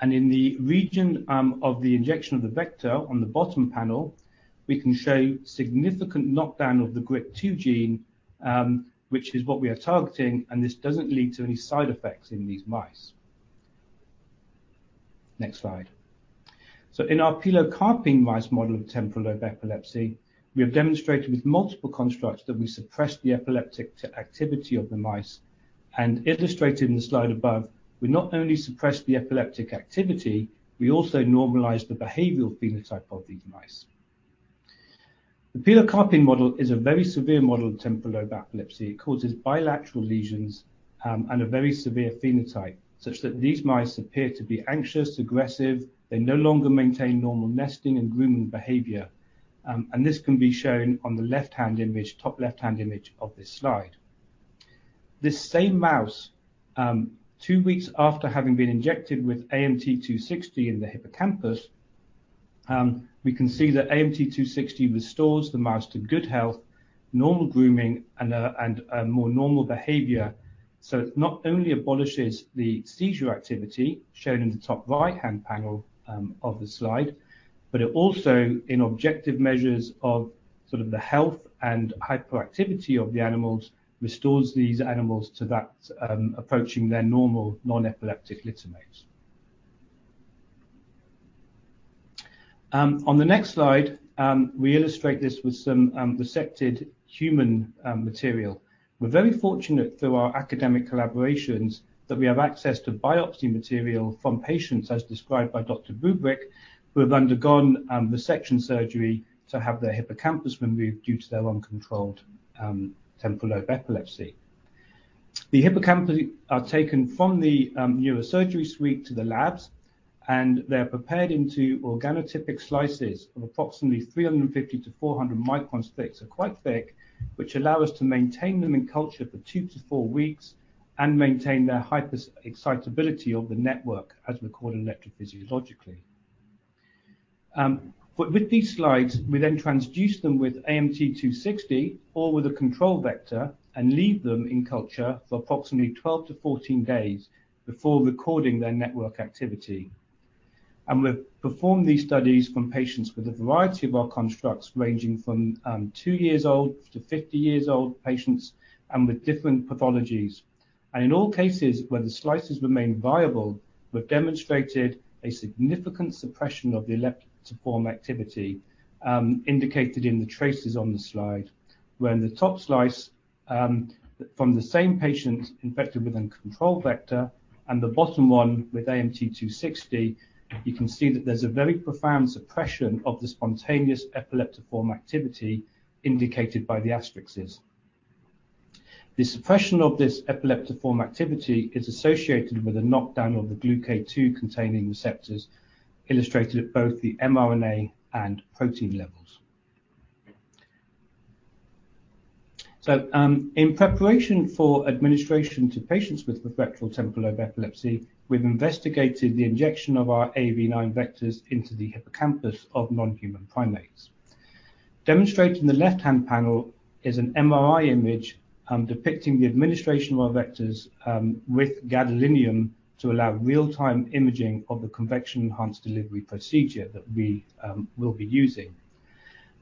and in the region of the injection of the vector on the bottom panel, we can show significant knockdown of the GRIN2B gene, which is what we are targeting, and this doesn't lead to any side effects in these mice. Next slide. In our pilocarpine mice model of temporal lobe epilepsy, we have demonstrated with multiple constructs that we suppress the epileptic activity of the mice. Illustrated in the slide above, we not only suppress the epileptic activity, we also normalize the behavioral phenotype of these mice. The pilocarpine model is a very severe model of temporal lobe epilepsy. It causes bilateral lesions and a very severe phenotype such that these mice appear to be anxious, aggressive, they no longer maintain normal nesting and grooming behavior. This can be shown on the left-hand image, top left-hand image of this slide. This same mouse, two weeks after having been injected with AMT-260 in the hippocampus, we can see that AMT-260 restores the mouse to good health, normal grooming, and a more normal behavior. It not only abolishes the seizure activity shown in the top right-hand panel of the slide, but it also in objective measures of sort of the health and hyperactivity of the animals, restores these animals to that, approaching their normal non-epileptic littermates. On the next slide, we illustrate this with some resected human material. We're very fortunate through our academic collaborations that we have access to biopsy material from patients as described by Dr. Bubrick, who have undergone resection surgery to have their hippocampus removed due to their uncontrolled temporal lobe epilepsy. The hippocampi are taken from the neurosurgery suite to the labs, and they're prepared into organotypic slices of approximately 350-400 microns thick, so quite thick, which allow us to maintain them in culture for two to four weeks and maintain their hyper-excitability of the network as recorded electrophysiologically. With these slides, we then transduce them with AMT-260 or with a control vector and leave them in culture for approximately 12-14 days before recording their network activity. We've performed these studies from patients with a variety of our constructs, ranging from two years old to 50 years old patients and with different pathologies. In all cases where the slices remain viable, we've demonstrated a significant suppression of the epileptiform activity indicated in the traces on the slide. Where in the top slice, from the same patient infected with a control vector and the bottom one with AMT-260, you can see that there's a very profound suppression of the spontaneous epileptiform activity indicated by the asterisks. The suppression of this epileptiform activity is associated with a knockdown of the GluK2-containing receptors illustrated at both the mRNA and protein levels. In preparation for administration to patients with refractory temporal lobe epilepsy, we've investigated the injection of our AAV9 vectors into the hippocampus of non-human primates. Demonstrated in the left-hand panel is an MRI image, depicting the administration of our vectors, with gadolinium to allow real-time imaging of the convection-enhanced delivery procedure that we will be using.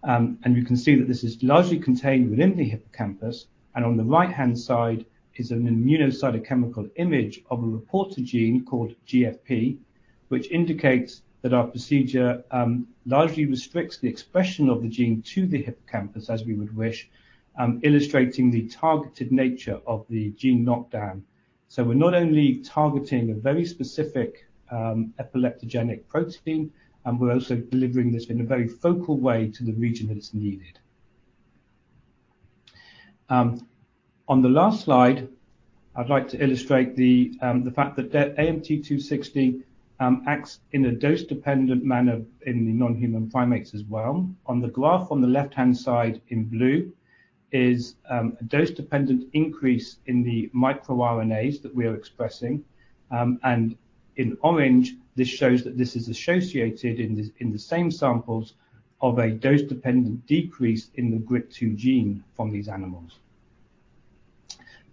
You can see that this is largely contained within the hippocampus. On the right-hand side is an immunocytochemical image of a reporter gene called GFP, which indicates that our procedure, largely restricts the expression of the gene to the hippocampus as we would wish, illustrating the targeted nature of the gene knockdown. We're not only targeting a very specific, epileptogenic protein, we're also delivering this in a very focal way to the region that it's needed. On the last slide, I'd like to illustrate the fact that AMT-260 acts in a dose-dependent manner in the non-human primates as well. On the graph on the left-hand side in blue is a dose-dependent increase in the microRNAs that we are expressing. In orange, this shows that this is associated in the same samples of a dose-dependent decrease in the GRIN2B gene from these animals.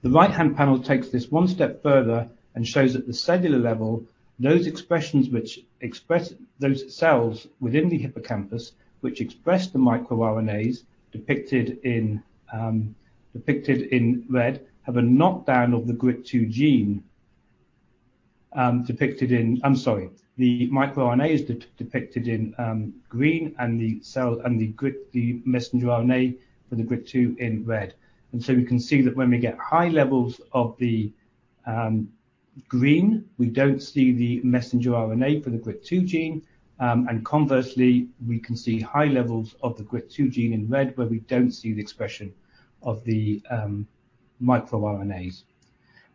The right-hand panel takes this one step further and shows at the cellular level those expressions which express those cells within the hippocampus, which express the microRNAs depicted in red, have a knockdown of the GRIN2B gene. Depicted in I'm sorry. The microRNA is depicted in green and the messenger RNA for the GRIK2 in red. We can see that when we get high levels of the green, we don't see the messenger RNA for the GRIK2 gene. Conversely, we can see high levels of the GRIK2 gene in red where we don't see the expression of the microRNAs.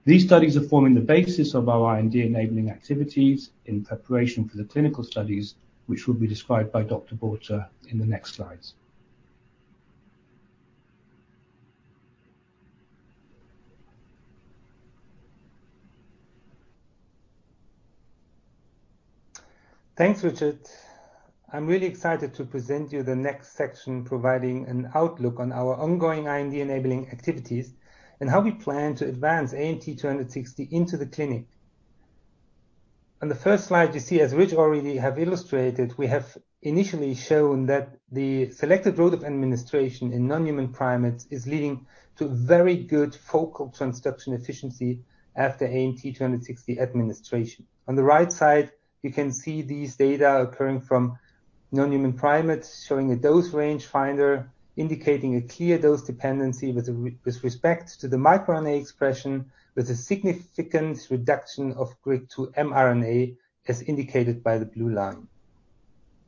These studies are forming the basis of our IND-enabling activities in preparation for the clinical studies, which will be described by Dr. Andreas in the next slides. Thanks, Richard. I'm really excited to present you the next section, providing an outlook on our ongoing IND-enabling activities and how we plan to advance AMT-260 into the clinic. On the first slide, you see, as Rich already have illustrated, we have initially shown that the selected route of administration in non-human primates is leading to very good focal transduction efficiency after AMT-260 administration. On the right side, you can see these data occurring from non-human primates, showing a dose range finder, indicating a clear dose dependency with respect to the microRNA expression, with a significant reduction of GRIK2 mRNA, as indicated by the blue line.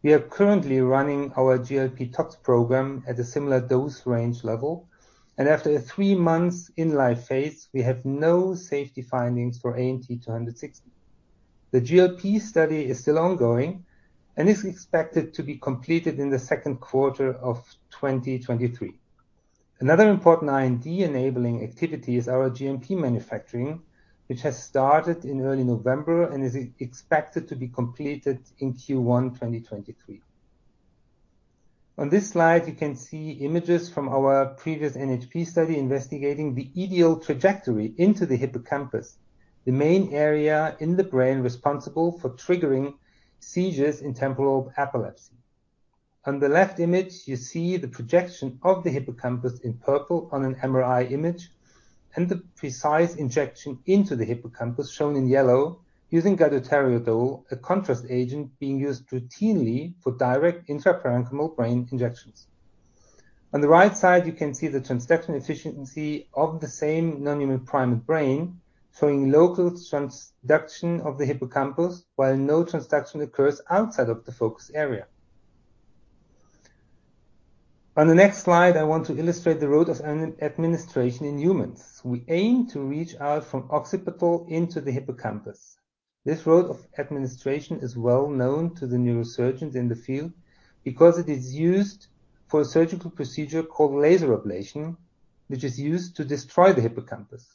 We are currently running our GLP tox program at a similar dose range level. After a three-month in-life phase, we have no safety findings for AMT-260. The GLP study is still ongoing and is expected to be completed in the second quarter of 2023. Another important IND-enabling activity is our GMP manufacturing, which has started in early November and is expected to be completed in Q1 2023. On this slide, you can see images from our previous NHP study investigating the ideal trajectory into the hippocampus, the main area in the brain responsible for triggering seizures in temporal lobe epilepsy. On the left image, you see the projection of the hippocampus in purple on an MRI image and the precise injection into the hippocampus, shown in yellow, using gadoteridol, a contrast agent being used routinely for direct intraparenchymal brain injections. On the right side, you can see the transduction efficiency of the same non-human primate brain, showing local transduction of the hippocampus, while no transduction occurs outside of the focus area. On the next slide, I want to illustrate the route of an administration in humans. We aim to reach out from occipital into the hippocampus. This route of administration is well known to the neurosurgeons in the field because it is used for a surgical procedure called laser ablation, which is used to destroy the hippocampus.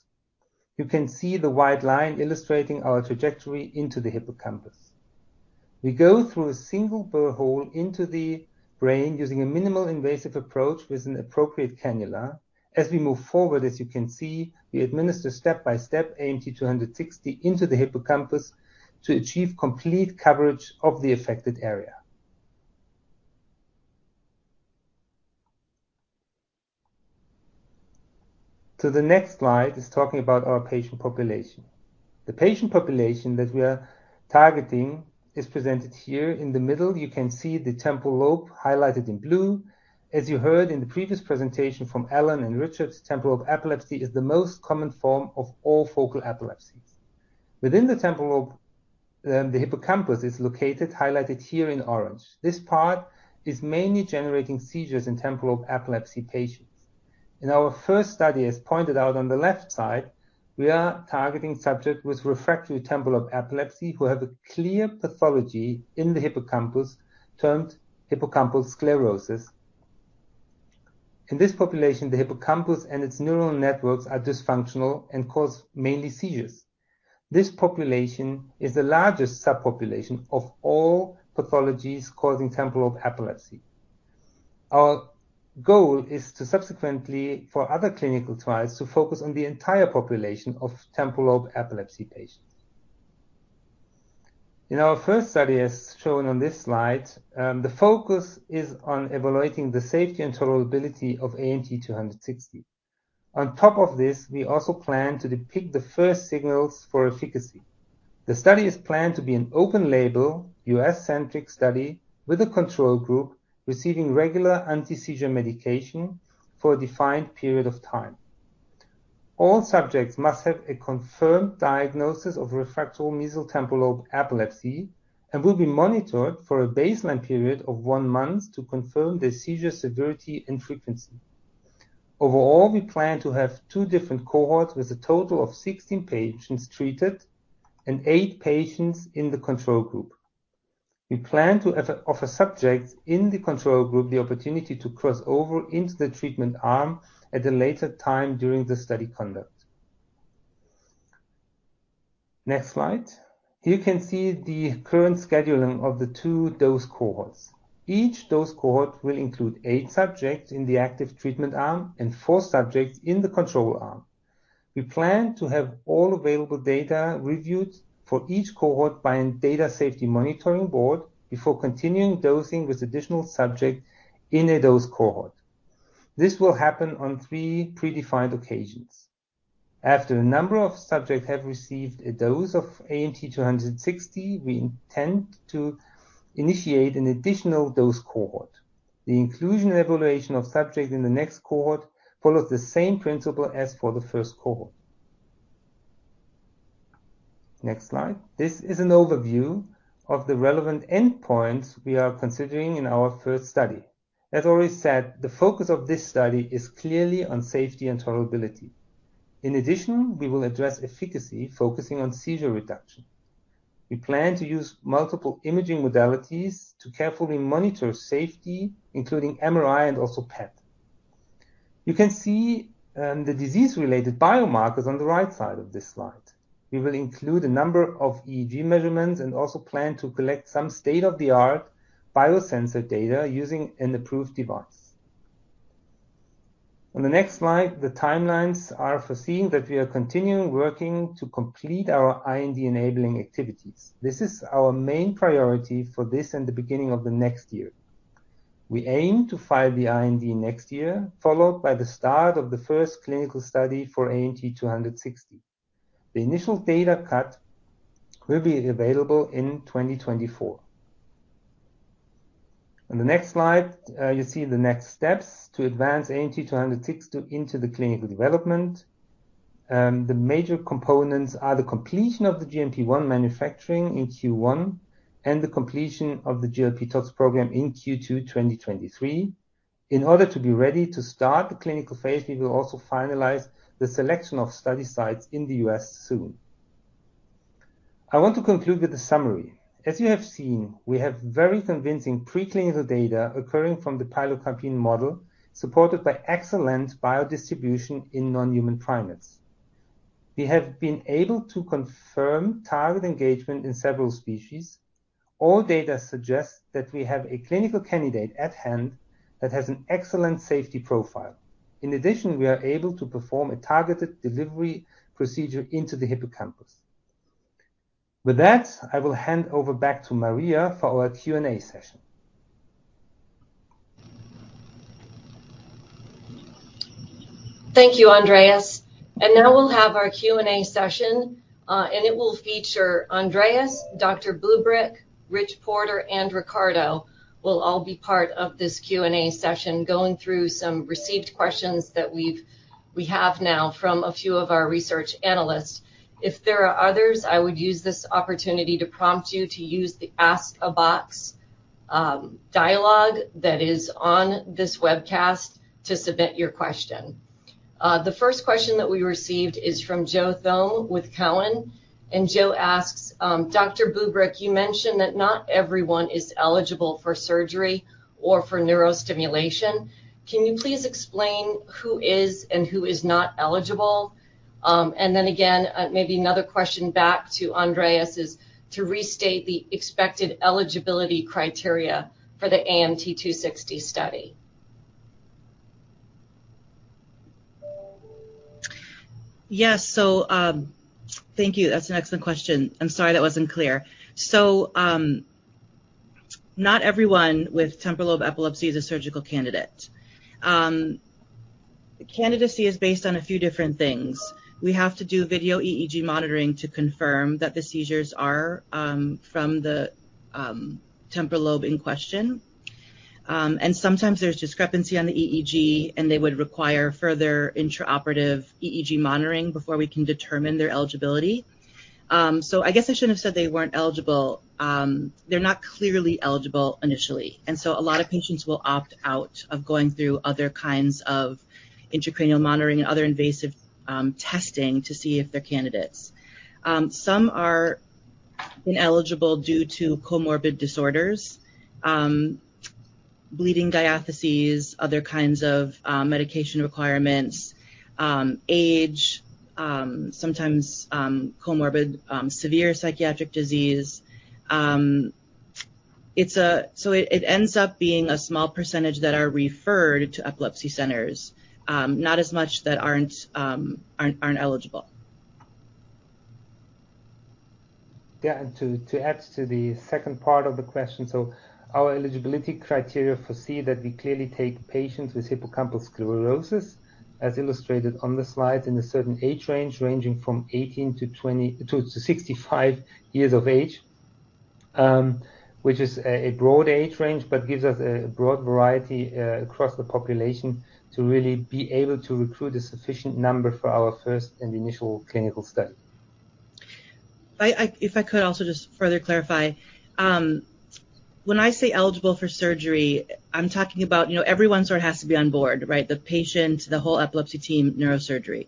You can see the white line illustrating our trajectory into the hippocampus. We go through a single burr hole into the brain using a minimal invasive approach with an appropriate cannula. As we move forward, as you can see, we administer step-by-step AMT-260 into the hippocampus to achieve complete coverage of the affected area. The next slide is talking about our patient population. The patient population that we are targeting is presented here in the middle. You can see the temporal lobe highlighted in blue. As you heard in the previous presentation from Ellen and Richard, temporal lobe epilepsy is the most common form of all focal epilepsies. Within the temporal lobe, the hippocampus is located, highlighted here in orange. This part is mainly generating seizures in temporal lobe epilepsy patients. In our first study, as pointed out on the left side, we are targeting subjects with refractory temporal lobe epilepsy who have a clear pathology in the hippocampus, termed hippocampal sclerosis. In this population, the hippocampus and its neural networks are dysfunctional and cause mainly seizures. This population is the largest subpopulation of all pathologies causing temporal lobe epilepsy. Our goal is to subsequently, for other clinical trials, to focus on the entire population of temporal lobe epilepsy patients. In our first study, as shown on this slide, the focus is on evaluating the safety and tolerability of AMT-260. On top of this, we also plan to depict the first signals for efficacy. The study is planned to be an open-label, U.S.-centric study with a control group receiving regular anti-seizure medication for a defined period of time. All subjects must have a confirmed diagnosis of refractory mesial temporal lobe epilepsy and will be monitored for a baseline period of one month to confirm their seizure severity and frequency. Overall, we plan to have two different cohorts with a total of 16 patients treated and eight patients in the control group. We plan to offer subjects in the control group the opportunity to cross over into the treatment arm at a later time during the study conduct. Next slide. Here you can see the current scheduling of the two dose cohorts. Each dose cohort will include eight subjects in the active treatment arm and four subjects in the control arm. We plan to have all available data reviewed for each cohort by a data safety monitoring board before continuing dosing with additional subjects in a dose cohort. This will happen on three predefined occasions. After a number of subjects have received a dose of AMT-260, we intend to initiate an additional dose cohort. The inclusion evaluation of subjects in the next cohort follows the same principle as for the first cohort. Next slide. This is an overview of the relevant endpoints we are considering in our first study. As already said, the focus of this study is clearly on safety and tolerability. In addition, we will address efficacy, focusing on seizure reduction. We plan to use multiple imaging modalities to carefully monitor safety, including MRI and also PET. You can see the disease-related biomarkers on the right side of this slide. We will include a number of EEG measurements and also plan to collect some state-of-the-art biosensor data using an approved device. On the next slide, the timelines are foreseen that we are continuing working to complete our IND-enabling activities. This is our main priority for this and the beginning of the next year. We aim to file the IND next year, followed by the start of the first clinical study for AMT-260. The initial data cut will be available in 2024. On the next slide, you see the next steps to advance AMT-260 into the clinical development. The major components are the completion of the GMP 1 manufacturing in Q1 and the completion of the GLP tox program in Q2 2023. In order to be ready to start the clinical phase, we will also finalize the selection of study sites in the U.S. soon. I want to conclude with a summary. As you have seen, we have very convincing preclinical data occurring from the pilocarpine model, supported by excellent biodistribution in non-human primates. We have been able to confirm target engagement in several species. All data suggests that we have a clinical candidate at hand that has an excellent safety profile. In addition, we are able to perform a targeted delivery procedure into the hippocampus. With that, I will hand over back to Maria for our Q&A session. Thank you, Andreas. Now we'll have our Q&A session, and it will feature Andreas, Dr. Bubrick, Rich Porter, and Ricardo will all be part of this Q&A session going through some received questions that we have now from a few of our research analysts. If there are others, I would use this opportunity to prompt you to use the Ask a Box dialog that is on this webcast to submit your question. The first question that we received is from Joe Thome with Cowen. Joe asks, Dr. Bubrick, you mentioned that not everyone is eligible for surgery or for neurostimulation. Can you please explain who is and who is not eligible? Then again, maybe another question back to Andreas is to restate the expected eligibility criteria for the AMT-260 study. Yes. Thank you. That's an excellent question. I'm sorry that wasn't clear. Not everyone with temporal lobe epilepsy is a surgical candidate. Candidacy is based on a few different things. We have to do video EEG monitoring to confirm that the seizures are from the temporal lobe in question. Sometimes there's discrepancy on the EEG, and they would require further intraoperative EEG monitoring before we can determine their eligibility. I guess I shouldn't have said they weren't eligible. They're not clearly eligible initially, and so a lot of patients will opt out of going through other kinds of intracranial monitoring and other invasive testing to see if they're candidates. Some are ineligible due to comorbid disorders, bleeding diatheses, other kinds of medication requirements, age, sometimes comorbid severe psychiatric disease. It ends up being a small percentage that are referred to epilepsy centers, not as much that aren't eligible. Yeah. To add to the second part of the question. Our eligibility criteria foresee that we clearly take patients with hippocampal sclerosis, as illustrated on the slide, in a certain age range, ranging from 18 to 65 years of age, which is a broad age range, but gives us a broad variety across the population to really be able to recruit a sufficient number for our first and initial clinical study. I, if I could also just further clarify. When I say eligible for surgery, I'm talking about, you know, everyone sort of has to be on board, right? The patient, the whole epilepsy team, neurosurgery.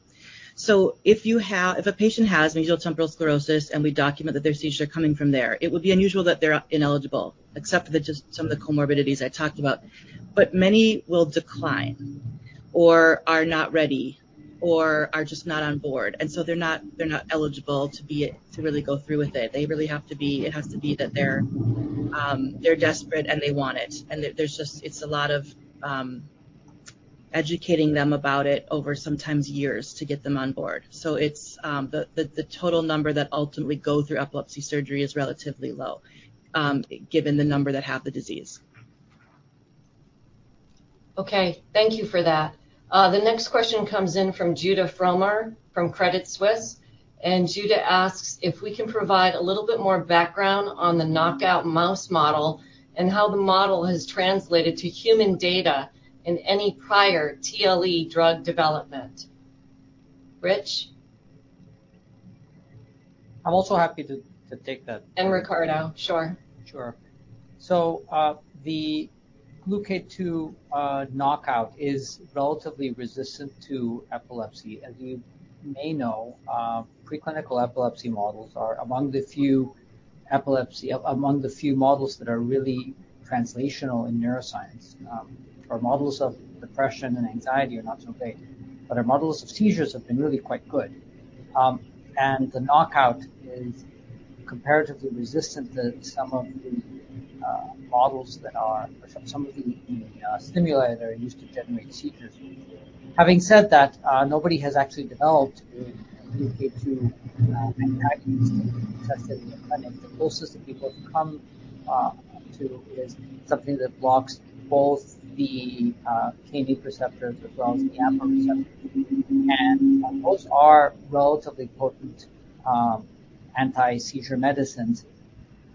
If a patient has mesial temporal sclerosis, and we document that their seizures are coming from there, it would be unusual that they're ineligible, except for just some of the comorbidities I talked about. Many will decline or are not ready or are just not on board, they're not eligible to be, to really go through with it. It has to be that they're desperate, and they want it. There's just. It's a lot of educating them about it over sometimes years to get them on board. It's the total number that ultimately go through epilepsy surgery is relatively low, given the number that have the disease. Okay. Thank you for that. The next question comes in from Judah Frommer from Credit Suisse. Judah asks if we can provide a little bit more background on the knockout mouse model and how the model has translated to human data in any prior TLE drug development. Rich? I'm also happy to take that. Ricardo. Sure. Sure. The GluK2 knockout is relatively resistant to epilepsy. As you may know, preclinical epilepsy models are among the few epilepsy among the few models that are really translational in neuroscience. Our models of depression and anxiety are not so great, but our models of seizures have been really quite good. The knockout is comparatively resistant to some of the models that are or some of the stimuli that are used to generate seizures. Having said that, nobody has actually developed a GluK2 antagonist to test it in the clinic. The closest that people have come to is something that blocks both the kainate receptors as well as the AMPA receptor. Those are relatively potent anti-seizure medicines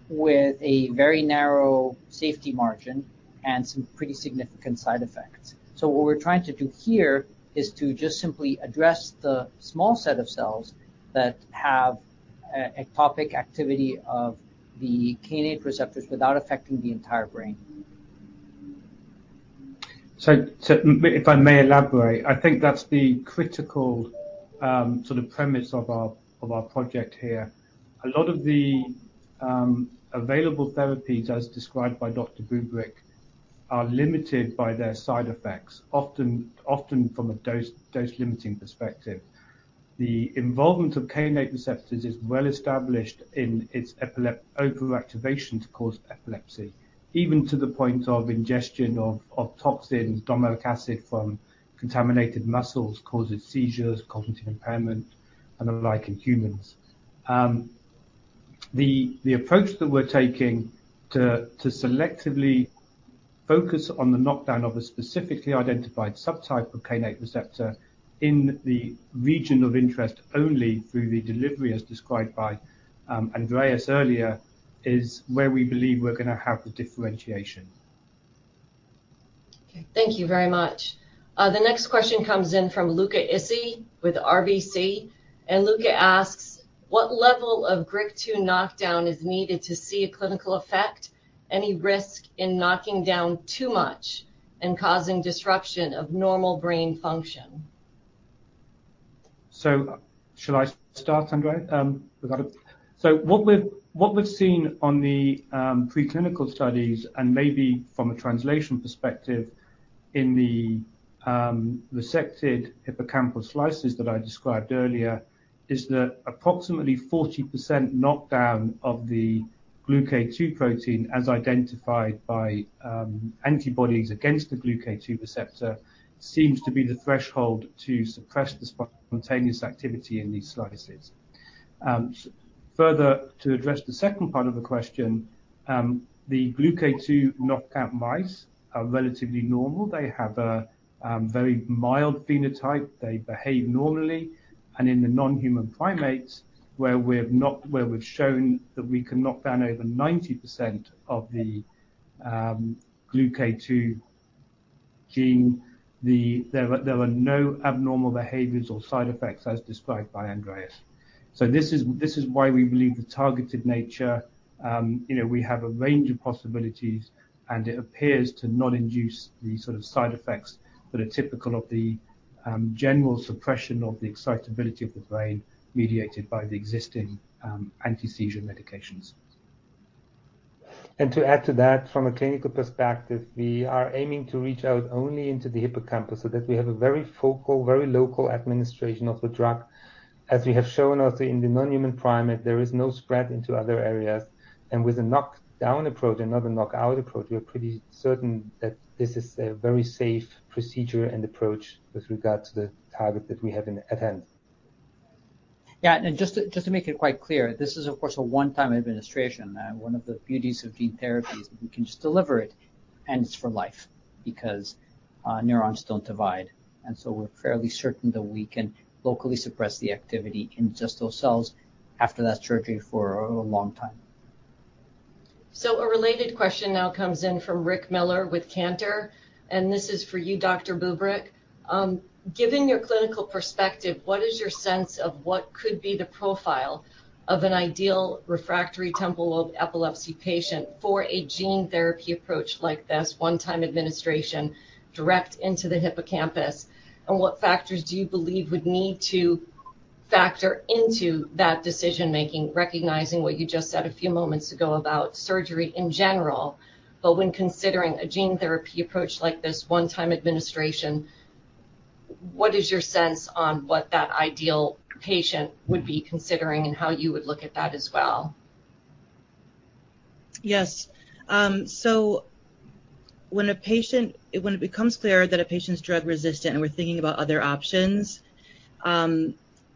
with a very narrow safety margin and some pretty significant side effects. What we're trying to do here is to just simply address the small set of cells that have ectopic activity of the kainate receptors without affecting the entire brain. If I may elaborate, I think that's the critical sort of premise of our project here. A lot of the available therapies, as described by Dr. Bubrick, are limited by their side effects, often from a dose-limiting perspective. The involvement of kainate receptors is well established in its overactivation to cause epilepsy, even to the point of ingestion of toxins. Domoic acid from contaminated mussels causes seizures, cognitive impairment, and the like in humans. The approach that we're taking to selectively focus on the knockdown of a specifically identified subtype of kainate receptor in the region of interest only through the delivery, as described by Andreas earlier, is where we believe we're gonna have the differentiation. Okay. Thank you very much. The next question comes in from Luca Issi with RBC. Luca asks, what level of GRIN2 knockdown is needed to see a clinical effect? Any risk in knocking down too much and causing disruption of normal brain function? Should I start, Ricardo? What we've seen on the preclinical studies, and maybe from a translation perspective in the resected hippocampal slices that I described earlier, is that approximately 40% knockdown of the GluK2 protein, as identified by antibodies against the GluK2 receptor, seems to be the threshold to suppress the spontaneous activity in these slices. Further, to address the second part of the question, the GluK2 knockout mice are relatively normal. They have a very mild phenotype. They behave normally. In the non-human primates, where we've shown that we can knock down over 90% of the GluK2 gene, there were no abnormal behaviors or side effects, as described by Andreas. This is why we believe the targeted nature, you know, we have a range of possibilities, and it appears to not induce the sort of side effects that are typical of the general suppression of the excitability of the brain mediated by the existing, anti-seizure medications. To add to that, from a clinical perspective, we are aiming to reach out only into the hippocampus so that we have a very focal, very local administration of the drug. As we have shown also in the non-human primate, there is no spread into other areas. With a knockdown approach and not a knockout approach, we are pretty certain that this is a very safe procedure and approach with regard to the target that we have at hand. Yeah. Just to make it quite clear, this is of course a one-time administration. One of the beauties of gene therapy is that we can just deliver it, and it's for life because neurons don't divide. We're fairly certain that we can locally suppress the activity in just those cells after that surgery for a long time. A related question now comes in from Rick Miller with Cantor, and this is for you, Dr. Bubrick. Given your clinical perspective, what is your sense of what could be the profile of an ideal refractory temporal lobe epilepsy patient for a gene therapy approach like this one-time administration direct into the hippocampus? What factors do you believe would need to factor into that decision-making, recognizing what you just said a few moments ago about surgery in general, but when considering a gene therapy approach like this one-time administration, what is your sense on what that ideal patient would be considering and how you would look at that as well? Yes. When it becomes clear that a patient's drug-resistant and we're thinking about other options.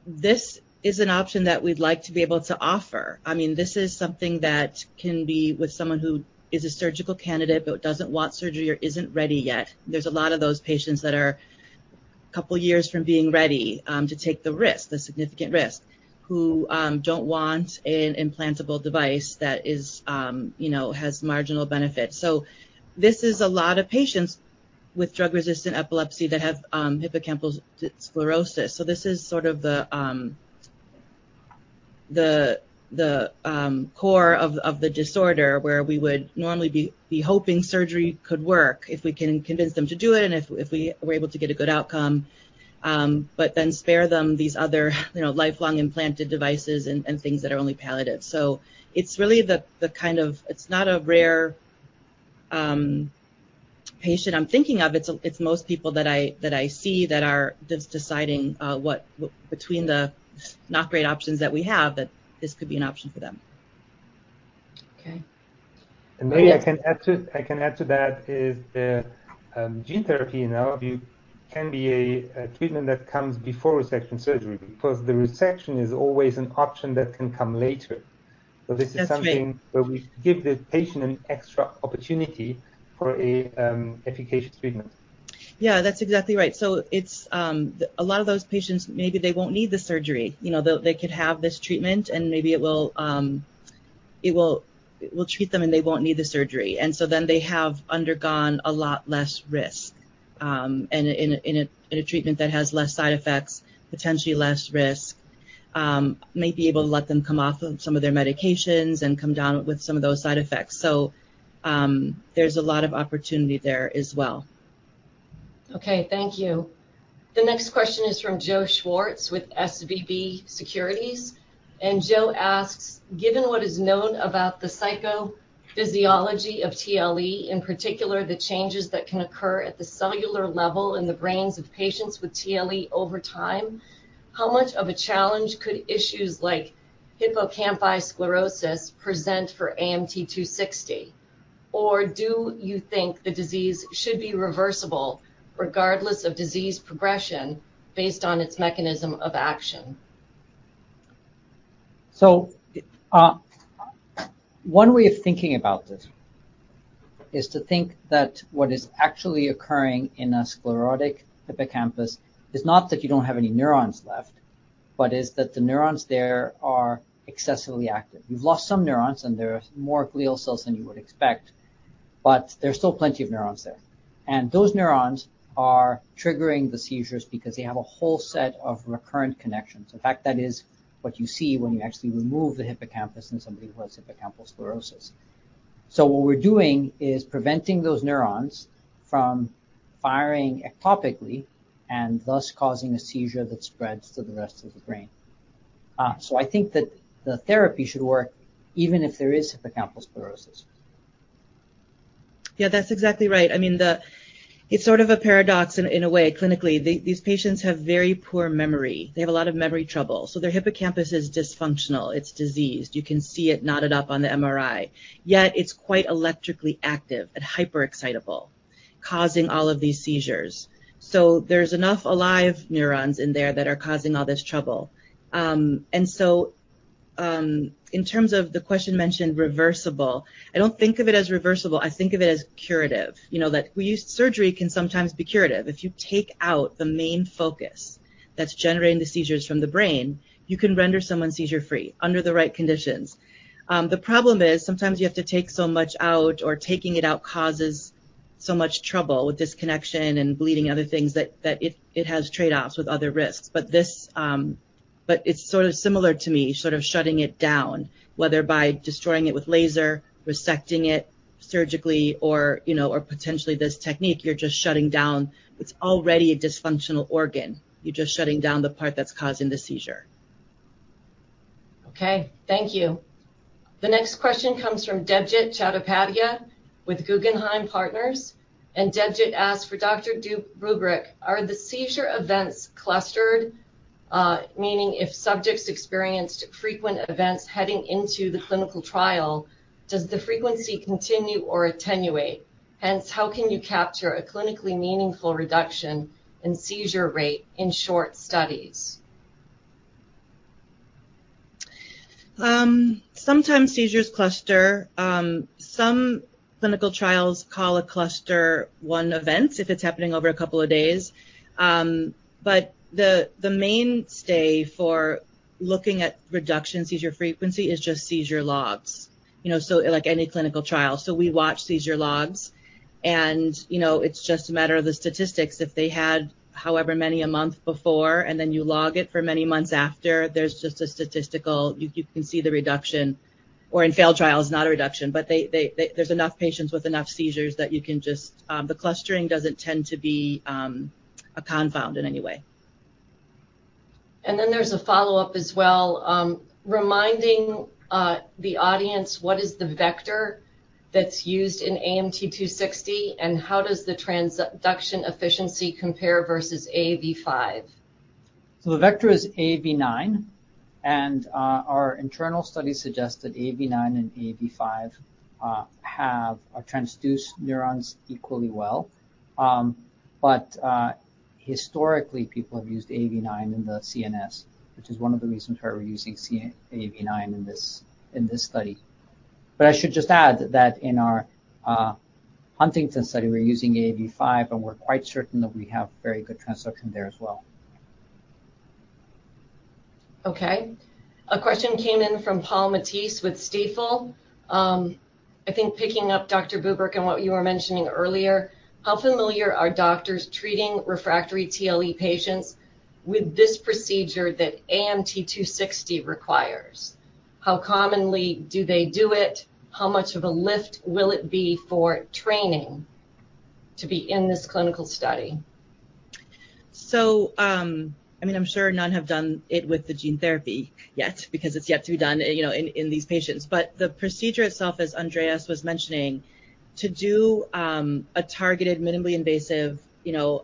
This is an option that we'd like to be able to offer. I mean, this is something that can be with someone who is a surgical candidate but doesn't want surgery or isn't ready yet. There's a lot of those patients that are a couple years from being ready to take the risk, the significant risk, who don't want an implantable device that is, you know, has marginal benefits. This is a lot of patients with drug-resistant epilepsy that have hippocampal sclerosis. This is sort of the core of the disorder where we would normally be hoping surgery could work if we can convince them to do it and if we were able to get a good outcome, but then spare them these other, you know, lifelong implanted devices and things that are only palliative. It's really the kind of patient I'm thinking of. It's most people that I see that are just deciding between the not great options that we have, that this could be an option for them. Okay. Maybe I can add to that is the gene therapy in our view can be a treatment that comes before resection surgery because the resection is always an option that can come later. That's right. This is something where we give the patient an extra opportunity for a efficacious treatment. Yeah, that's exactly right. It's a lot of those patients, maybe they won't need the surgery. You know, they could have this treatment, and maybe it will treat them, and they won't need the surgery. They have undergone a lot less risk, and in a treatment that has less side effects, potentially less risk, may be able to let them come off of some of their medications and come down with some of those side effects. There's a lot of opportunity there as well. Okay, thank you. The next question is from Joe Schwartz with SVB Securities. Joe asks, given what is known about the psychophysiology of TLE, in particular the changes that can occur at the cellular level in the brains of patients with TLE over time, how much of a challenge could issues like hippocampal sclerosis present for AMT-260? Or do you think the disease should be reversible regardless of disease progression based on its mechanism of action? One way of thinking about this is to think that what is actually occurring in a sclerotic hippocampus is not that you don't have any neurons left, but is that the neurons there are excessively active. You've lost some neurons, and there are more glial cells than you would expect, but there's still plenty of neurons there. Those neurons are triggering the seizures because they have a whole set of recurrent connections. In fact, that is what you see when you actually remove the hippocampus in somebody who has hippocampal sclerosis. What we're doing is preventing those neurons from firing ectopically and thus causing a seizure that spreads to the rest of the brain. I think that the therapy should work even if there is hippocampal sclerosis. Yeah, that's exactly right. I mean, it's sort of a paradox in a way, clinically. These patients have very poor memory. They have a lot of memory trouble. Their hippocampus is dysfunctional. It's diseased. You can see it knotted up on the MRI. Yet it's quite electrically active and hyperexcitable, causing all of these seizures. There's enough alive neurons in there that are causing all this trouble. In terms of the question mentioned reversible, I don't think of it as reversible. I think of it as curative. You know, that surgery can sometimes be curative. If you take out the main focus that's generating the seizures from the brain, you can render someone seizure-free under the right conditions. The problem is sometimes you have to take so much out, or taking it out causes so much trouble with disconnection and bleeding, other things that it has trade-offs with other risks. This, but it's sort of similar to me, sort of shutting it down, whether by destroying it with laser, resecting it surgically, or, you know, or potentially this technique. You're just shutting down. It's already a dysfunctional organ. You're just shutting down the part that's causing the seizure. Okay, thank you. The next question comes from Debjit Chattopadhyay with Guggenheim Partners. Debjit asks for Dr. Bubrick, are the seizure events clustered? meaning if subjects experienced frequent events heading into the clinical trial, does the frequency continue or attenuate? Hence, how can you capture a clinically meaningful reduction in seizure rate in short studies? Sometimes seizures cluster. Some clinical trials call a cluster 1 event if it's happening over two days. The mainstay for looking at reduction in seizure frequency is just seizure logs. You know, like any clinical trial. We watch seizure logs and, you know, it's just a matter of the statistics. If they had however many a month before and then you log it for many months after, there's just a statistical, you can see the reduction. Or in failed trials, not a reduction, but there's enough patients with enough seizures that you can just. The clustering doesn't tend to be a confound in any way. There's a follow-up as well, reminding the audience what is the vector that's used in AMT-260 and how does the transduction efficiency compare versus AAV5? The vector is AAV9. Our internal study suggests that AAV9 and AAV5 have transduced neurons equally well. Historically, people have used AAV9 in the CNS, which is one of the reasons why we're using AAV9 in this study. I should just add that in our Huntington study, we're using AAV5, and we're quite certain that we have very good transduction there as well. Okay. A question came in from Paul Matteis with Stifel. I think picking up Dr. Bubrick and what you were mentioning earlier, how familiar are doctors treating refractory TLE patients with this procedure that AMT-260 requires? How commonly do they do it? How much of a lift will it be for training to be in this clinical study? I mean, I'm sure none have done it with the gene therapy yet because it's yet to be done, you know, in these patients. The procedure itself, as Andreas was mentioning, to do a targeted minimally invasive, you know,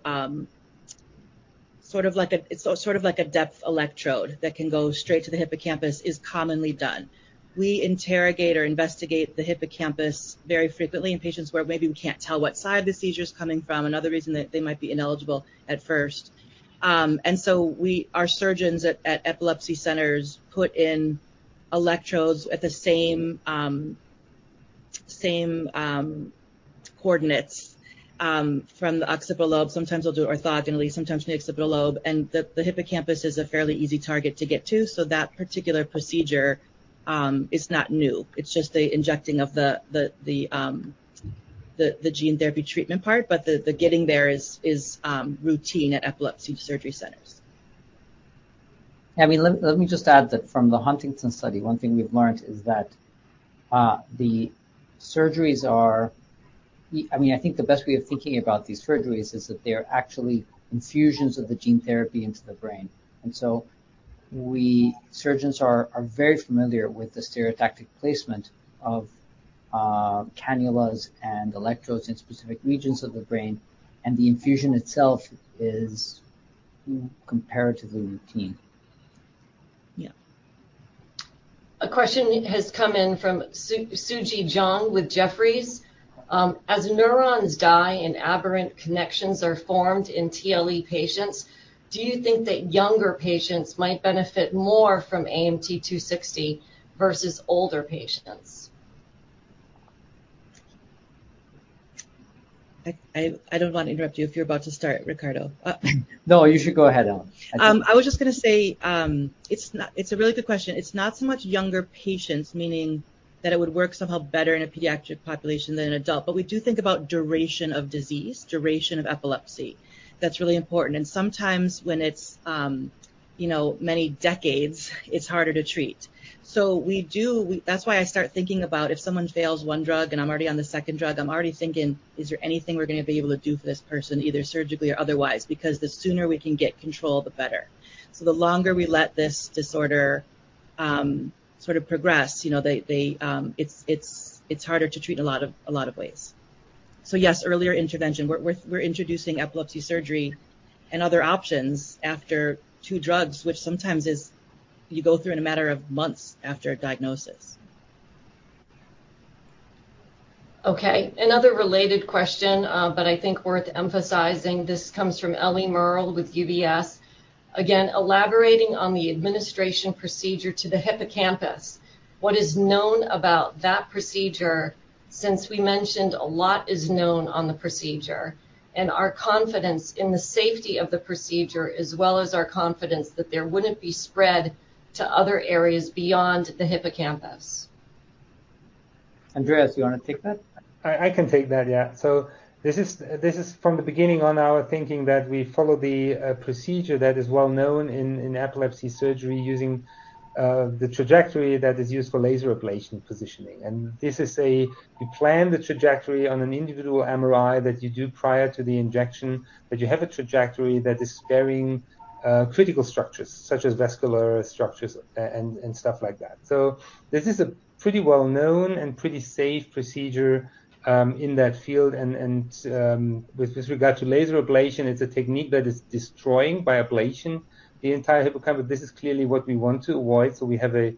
sort of like a depth electrode that can go straight to the hippocampus is commonly done. We interrogate or investigate the hippocampus very frequently in patients where maybe we can't tell what side the seizure is coming from, another reason that they might be ineligible at first. Our surgeons at epilepsy centers put in electrodes at the same coordinates from the occipital lobe. Sometimes they'll do it orthogonally, sometimes in the occipital lobe. The hippocampus is a fairly easy target to get to, so that particular procedure, is not new. It's just the injecting of the gene therapy treatment part. The getting there is routine at epilepsy surgery centers. I mean, let me just add that from the Huntington study, one thing we've learned is that the surgeries are, I mean, I think the best way of thinking about these surgeries is that they are actually infusions of the gene therapy into the brain. Surgeons are very familiar with the stereotactic placement of cannulas and electrodes in specific regions of the brain, and the infusion itself is comparatively routine. Yeah. A question has come in from Suji Jeong with Jefferies. As neurons die and aberrant connections are formed in TLE patients, do you think that younger patients might benefit more from AMT-260 versus older patients? I don't want to interrupt you if you're about to start, Ricardo. No, you should go ahead, Ellen. I was just gonna say, it's a really good question. It's not so much younger patients, meaning that it would work somehow better in a pediatric population than an adult. We do think about duration of disease, duration of epilepsy. That's really important. Sometimes when it's, you know, many decades, it's harder to treat. That's why I start thinking about if someone fails one drug and I'm already on the second drug, I'm already thinking, is there anything we're gonna be able to do for this person, either surgically or otherwise? Because the sooner we can get control, the better. The longer we let this disorder, sort of progress, you know, they, it's harder to treat in a lot of ways. Yes, earlier intervention. We're introducing epilepsy surgery and other options after two drugs, which sometimes is you go through in a matter of months after a diagnosis. Okay. Another related question, but I think worth emphasizing. This comes from Ellie Merle with UBS. Again, elaborating on the administration procedure to the hippocampus, what is known about that procedure since we mentioned a lot is known on the procedure, and our confidence in the safety of the procedure as well as our confidence that there wouldn't be spread to other areas beyond the hippocampus? Andreas, you wanna take that? I can take that, yeah. This is from the beginning on our thinking that we follow the procedure that is well known in epilepsy surgery using the trajectory that is used for laser ablation positioning. You plan the trajectory on an individual MRI that you do prior to the injection, but you have a trajectory that is sparing critical structures such as vascular structures and stuff like that. This is a pretty well-known and pretty safe procedure in that field. With regard to laser ablation, it's a technique that is destroying, by ablation, the entire hippocampus. This is clearly what we want to avoid. We have a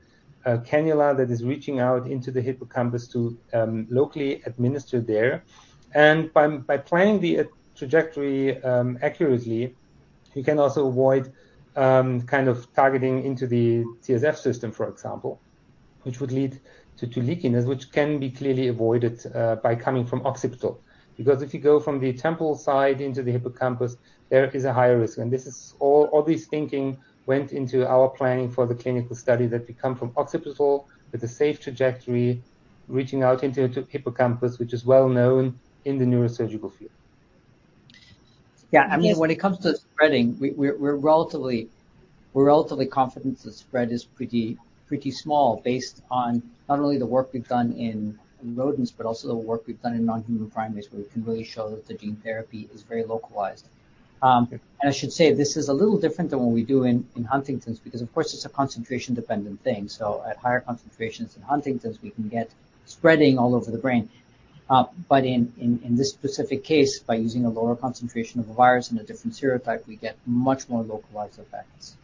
cannula that is reaching out into the hippocampus to locally administer there. By planning the trajectory accurately, you can also avoid kind of targeting into the CSF system, for example, which would lead to leakiness, which can be clearly avoided by coming from occipital. Because if you go from the temple side into the hippocampus, there is a higher risk. This is all this thinking went into our planning for the clinical study that we come from occipital with a safe trajectory, reaching out into the hippocampus, which is well known in the neurosurgical field. Yeah. I mean, when it comes to spreading, we're relatively confident the spread is pretty small based on not only the work we've done in rodents, but also the work we've done in non-human primates, where we can really show that the gene therapy is very localized. I should say this is a little different than what we do in Huntington's because, of course, it's a concentration-dependent thing. At higher concentrations in Huntington's, we can get spreading all over the brain. In this specific case, by using a lower concentration of a virus and a different serotype, we get much more localized effects.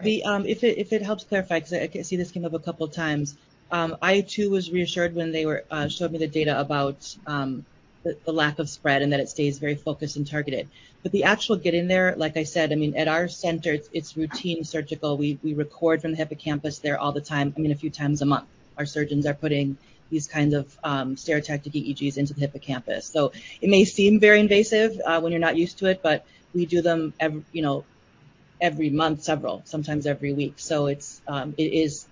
Great. If it helps clarify, 'cause I can see this came up a couple times, I too was reassured when they were showed me the data about the lack of spread, and that it stays very focused and targeted. The actual getting there, like I said, I mean, at our center, it's routine surgical. We record from the hippocampus there all the time, I mean, a few times a month. Our surgeons are putting these kind of stereotypic EEGs into the hippocampus. It may seem very invasive when you're not used to it, but we do them you know, every month, several, sometimes every week. It's, it is,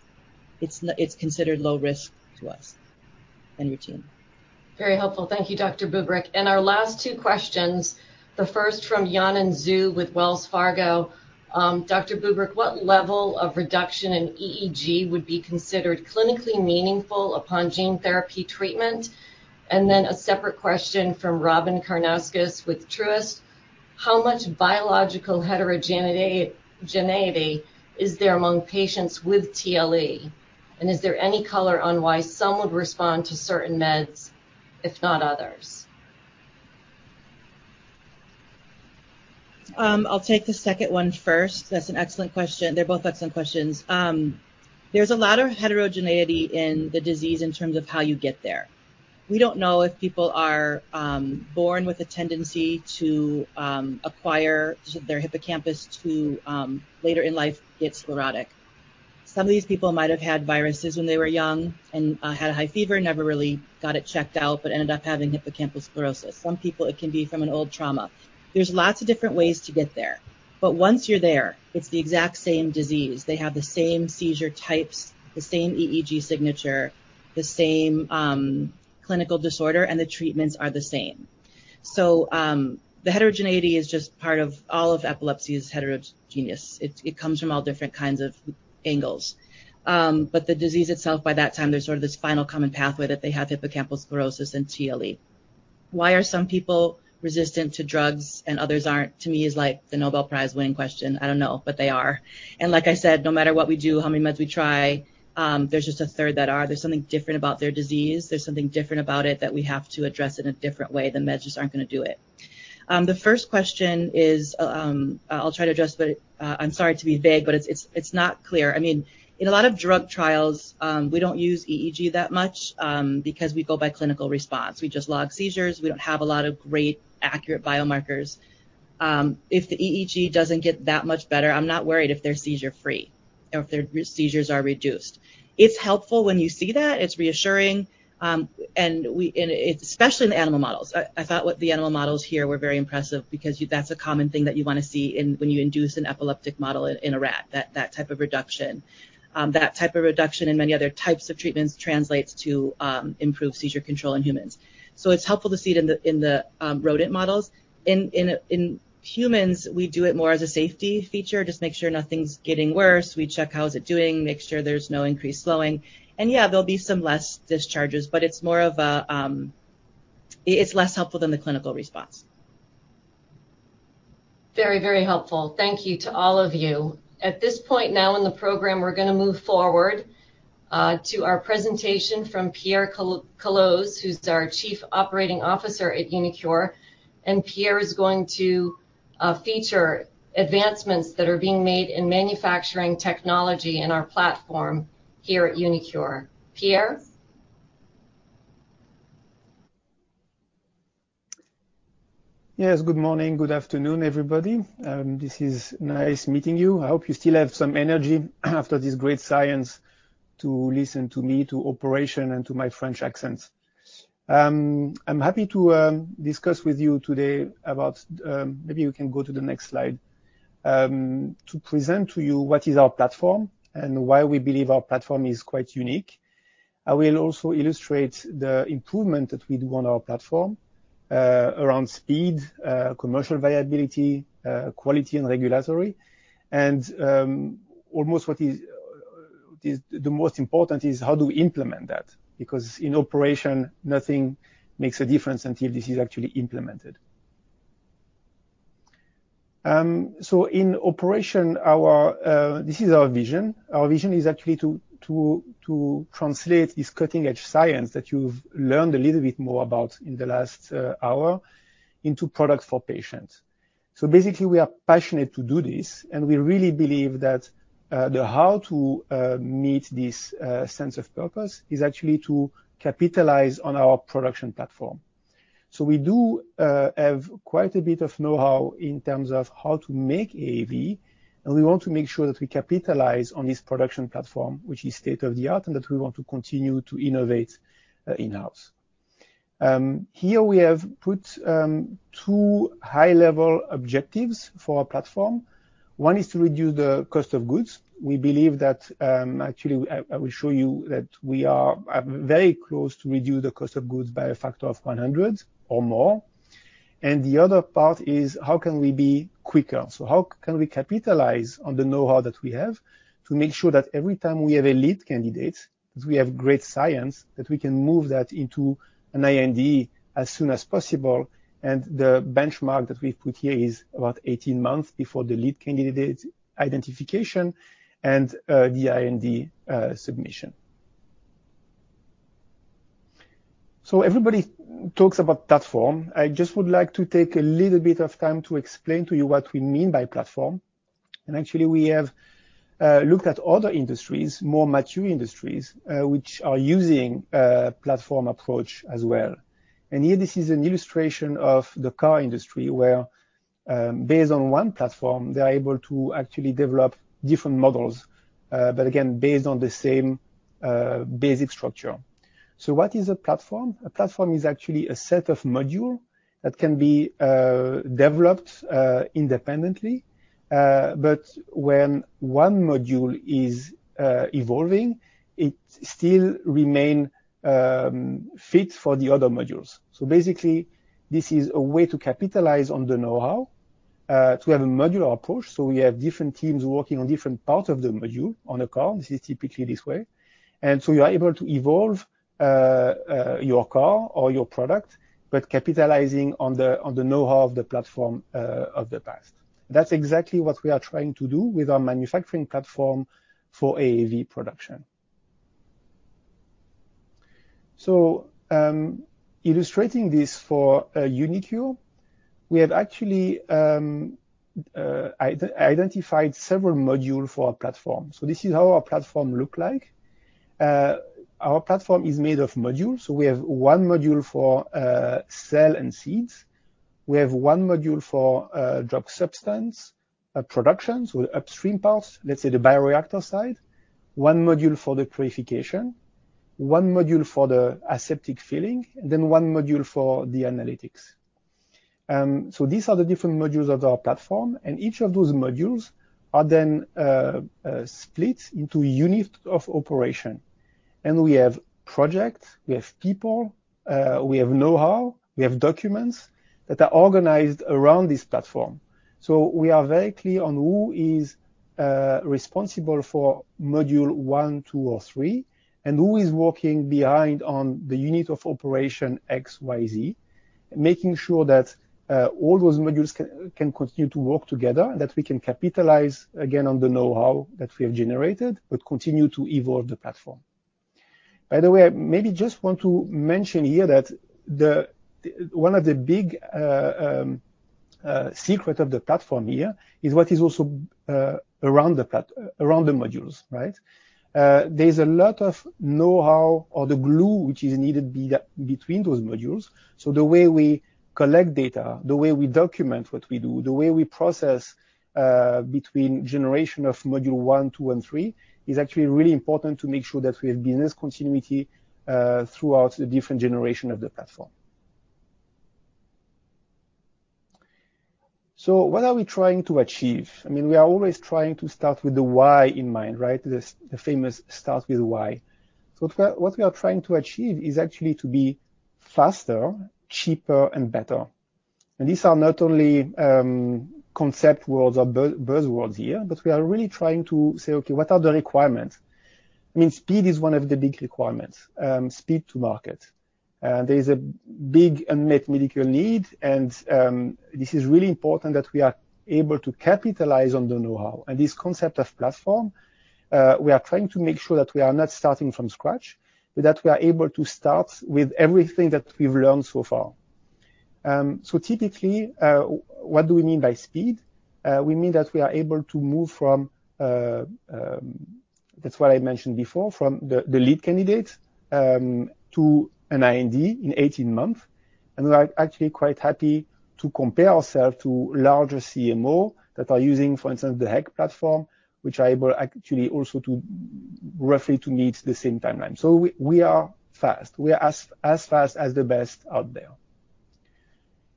it's considered low risk to us and routine. Very helpful. Thank you, Dr. Bubrick. Our last two questions, the first from Yanan Zhu with Wells Fargo. Dr. Bubrick, what level of reduction in EEG would be considered clinically meaningful upon gene therapy treatment? Then a separate question from Robyn Karnauskas with Truist. How much biological heterogeneity is there among patients with TLE? And is there any color on why some would respond to certain meds, if not others? I'll take the second one first. That's an excellent question. They're both excellent questions. There's a lot of heterogeneity in the disease in terms of how you get there. We don't know if people are born with a tendency to acquire their hippocampus to later in life get sclerotic. Some of these people might have had viruses when they were young and had a high fever, never really got it checked out, but ended up having hippocampal sclerosis. Some people, it can be from an old trauma. There's lots of different ways to get there. Once you're there, it's the exact same disease. They have the same seizure types, the same EEG signature, the same clinical disorder, and the treatments are the same. The heterogeneity is just part of all of epilepsy is heterogeneous. It comes from all different kinds of angles. The disease itself, by that time, there's sort of this final common pathway that they have hippocampal sclerosis and TLE. Why are some people resistant to drugs and others aren't to me is like the Nobel Prize-winning question. I don't know, they are. Like I said, no matter what we do, how many meds we try, there's just a third that are. There's something different about their disease. There's something different about it that we have to address in a different way. The meds just aren't gonna do it. The first question is, I'll try to address, but I'm sorry to be vague, but it's not clear. I mean, in a lot of drug trials, we don't use EEG that much, because we go by clinical response. We just log seizures. We don't have a lot of great accurate biomarkers. If the EEG doesn't get that much better, I'm not worried if they're seizure-free or if their seizures are reduced. It's helpful when you see that. It's reassuring. And it's especially in the animal models. I thought what the animal models here were very impressive because that's a common thing that you wanna see in when you induce an epileptic model in a rat, that type of reduction. That type of reduction in many other types of treatments translates to improved seizure control in humans. It's helpful to see it in the, in the rodent models. In humans, we do it more as a safety feature, just make sure nothing's getting worse. We check how is it doing, make sure there's no increased slowing. Yeah, there'll be some less discharges, but it's more of a, it's less helpful than the clinical response. Very, very helpful. Thank you to all of you. At this point now in the program, we're gonna move forward, to our presentation from Pierre Caloz, who's our Chief Operating Officer at uniQure. Pierre is going to feature advancements that are being made in manufacturing technology in our platform here at uniQure. Pierre. Yes. Good morning. Good afternoon, everybody. This is nice meeting you. I hope you still have some energy after this great science to listen to me, to operation, and to my French accent. I'm happy to discuss with you today about, maybe we can go to the next slide, to present to you what is our platform and why we believe our platform is quite unique. I will also illustrate the improvement that we do on our platform, around speed, commercial viability, quality and regulatory. Almost what is the most important is how do we implement that? Because in operation, nothing makes a difference until this is actually implemented. In operation, our, this is our vision. Our vision is actually to translate this cutting-edge science that you've learned a little bit more about in the last hour into products for patients. Basically, we are passionate to do this, and we really believe that the how to meet this sense of purpose is actually to capitalize on our production platform. We do have quite a bit of know-how in terms of how to make AAV, and we want to make sure that we capitalize on this production platform, which is state-of-the-art, and that we want to continue to innovate in-house. Here we have put two high-level objectives for our platform. One is to reduce the cost of goods. We believe that, actually I will show you that we are at very close to reduce the cost of goods by a factor of 100 or more. The other part is how can we be quicker? How can we capitalize on the know-how that we have to make sure that every time we have a lead candidate, 'cause we have great science, that we can move that into an IND as soon as possible. The benchmark that we've put here is about 18 months before the lead candidate identification and the IND submission. Everybody talks about platform. I just would like to take a little bit of time to explain to you what we mean by platform. Actually we have looked at other industries, more mature industries, which are using a platform approach as well. Here this is an illustration of the car industry, where, based on one platform, they're able to actually develop different models, but again, based on the same basic structure. What is a platform? A platform is actually a set of module that can be developed independently. But when one module is evolving, it still remain fit for the other modules. Basically, this is a way to capitalize on the know-how, to have a modular approach. We have different teams working on different parts of the module on a car. This is typically this way. You are able to evolve your car or your product, but capitalizing on the know-how of the platform of the past. That's exactly what we are trying to do with our manufacturing platform for AAV production. Illustrating this for uniQure, we have actually identified several module for our platform. This is how our platform look like. Our platform is made of modules. We have one module for cell and seeds. We have one module for drug substance production, so upstream parts, let's say the bioreactor side. One module for the purification. One module for the aseptic filling, and then one module for the analytics. These are the different modules of our platform, and each of those modules are then split into unit of operation. We have project, we have people, we have know-how, we have documents that are organized around this platform. We are very clear on who is responsible for module one, two, or three, and who is working behind on the unit of operation X, Y, Z, making sure that all those modules can continue to work together, and that we can capitalize again on the know-how that we have generated, but continue to evolve the platform. By the way, I maybe just want to mention here that one of the big secret of the platform here is what is also around the modules, right? There's a lot of know-how or the glue which is needed between those modules. The way we collect data, the way we document what we do, the way we process, between generation of module 1, 2, and 3, is actually really important to make sure that we have business continuity throughout the different generation of the platform. What are we trying to achieve? I mean, we are always trying to start with the why in mind, right? The famous start with why. What we are trying to achieve is actually to be faster, cheaper and better. These are not only concept words or buzz words here, but we are really trying to say, okay, what are the requirements? I mean, speed is one of the big requirements, speed to market. There is a big unmet medical need and this is really important that we are able to capitalize on the know-how. This concept of platform, we are trying to make sure that we are not starting from scratch, but that we are able to start with everything that we've learned so far. Typically, what do we mean by speed? We mean that we are able to move from, that's what I mentioned before, from the lead candidate to an IND in 18 months. We are actually quite happy to compare ourself to larger CMO that are using, for instance, the HEK platform, which are able actually also to roughly to meet the same timeline. We are fast. We are as fast as the best out there.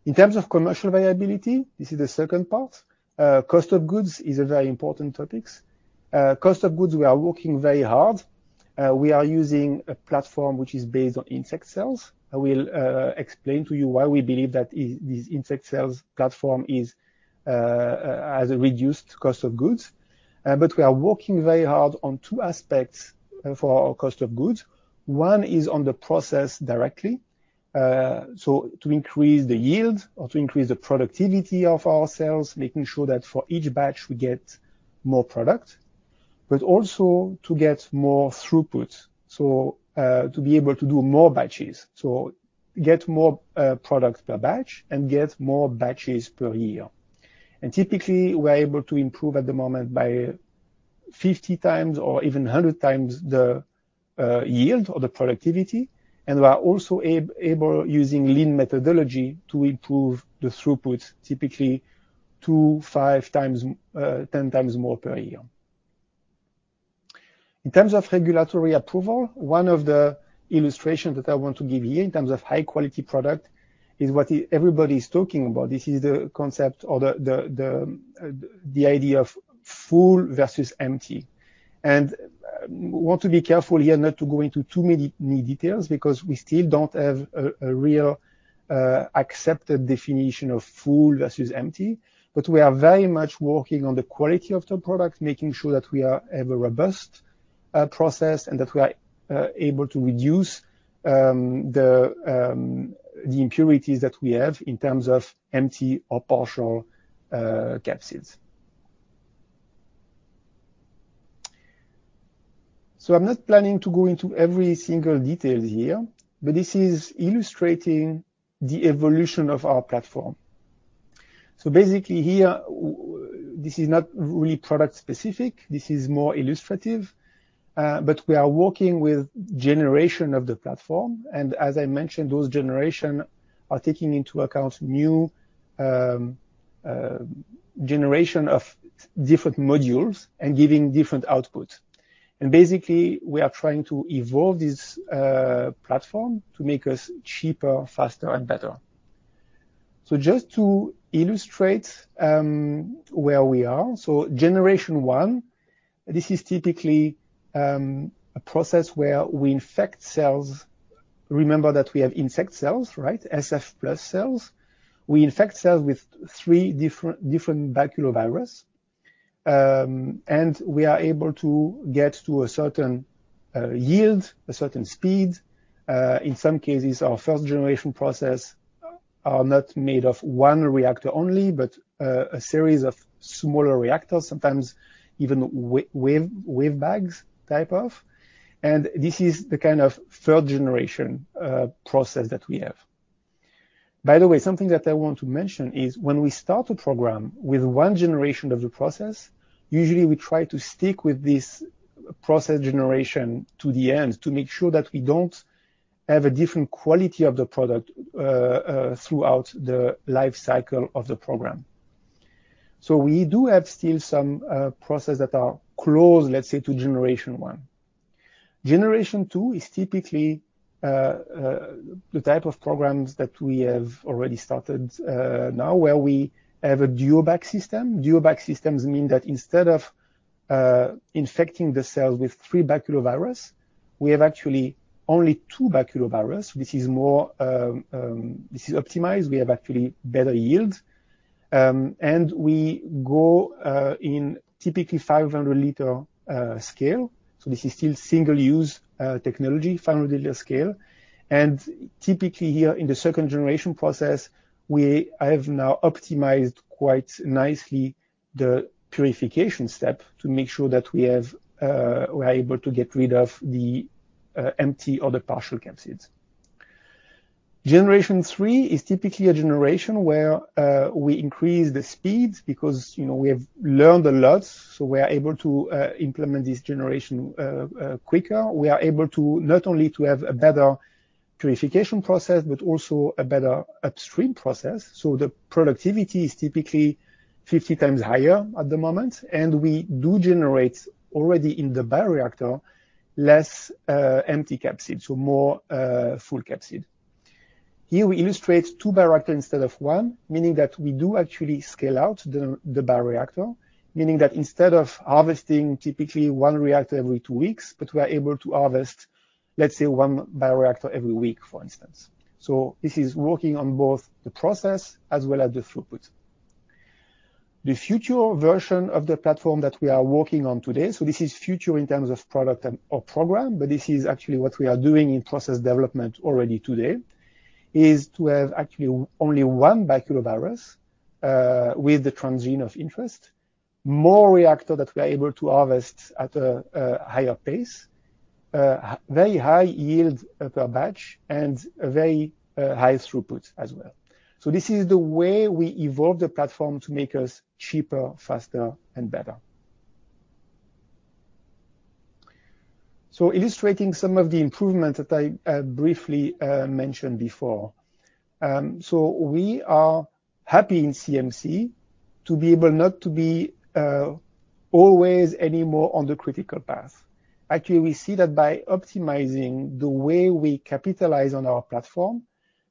In terms of commercial viability, this is the second part. Cost of goods is a very important topics. Cost of goods, we are working very hard. We are using a platform which is based on insect cells. I will explain to you why we believe that these insect cells platform is has a reduced cost of goods. We are working very hard on two aspects for our cost of goods. One is on the process directly. To increase the yield or to increase the productivity of our cells, making sure that for each batch we get more product. Also to get more throughput, so to be able to do more batches. Get more product per batch and get more batches per year. Typically, we're able to improve at the moment by 50x or even 100x the yield or the productivity. We are also able, using lean methodology, to improve the throughput, typically 2x, 5x, 10x more per year. In terms of regulatory approval, one of the illustration that I want to give you in terms of high-quality product is what everybody is talking about. This is the concept or the idea of full versus empty. Want to be careful here not to go into too many details because we still don't have a real accepted definition of full versus empty. We are very much working on the quality of the product, making sure that we have a robust process and that we are able to reduce the impurities that we have in terms of empty or partial capsids. I'm not planning to go into every single detail here, but this is illustrating the evolution of our platform. Basically here, this is not really product specific, this is more illustrative. We are working with generation of the platform, and as I mentioned, those generation are taking into account new generation of different modules and giving different output. Basically, we are trying to evolve this platform to make us cheaper, faster, and better. Just to illustrate where we are. Generation one, this is typically a process where we infect cells. Remember that we have insect cells, right? SF+ cells. We infect cells with three different baculovirus, and we are able to get to a certain yield, a certain speed. In some cases, our first generation process are not made of one reactor only, but a series of smaller reactors, sometimes even wave bags type of. This is the kind of 3rd generation process that we have. By the way, something that I want to mention is when we start a program with one generation of the process, usually we try to stick with this process generation to the end to make sure that we don't have a different quality of the product throughout the life cycle of the program. We do have still some process that are close, let's say, to generation one. Generation two is typically the type of programs that we have already started now where we have a duo-bac system. Duo-bac systems mean that instead of infecting the cells with three baculovirus, we have actually only two baculovirus, which is more. This is optimized. We have actually better yield. And we go in typically 500 L scale. This is still single-use technology, 500 L scale. Typically here in the second generation process, we have now optimized quite nicely the purification step to make sure that we have, we're able to get rid of the empty or the partial capsids. Generation three is typically a generation where we increase the speed because, you know, we have learned a lot, so we are able to implement this generation quicker. We are able to not only to have a better purification process, but also a better upstream process. The productivity is typically 50x higher at the moment. We do generate already in the bioreactor less empty capsid, so more full capsid. Here we illustrate two bioreactor instead of one, meaning that we do actually scale out the bioreactor. Meaning that instead of harvesting typically one reactor every two weeks, but we are able to harvest, let's say, one bioreactor every week, for instance. This is working on both the process as well as the throughput. The future version of the platform that we are working on today, so this is future in terms of product and or program, but this is actually what we are doing in process development already today, is to have actually only one baculovirus with the transgene of interest. More reactor that we are able to harvest at a higher pace. Very high yield per batch and a very high throughput as well. This is the way we evolve the platform to make us cheaper, faster and better. Illustrating some of the improvements that I briefly mentioned before. We are happy in CMC to be able not to be always anymore on the critical path. We see that by optimizing the way we capitalize on our platform,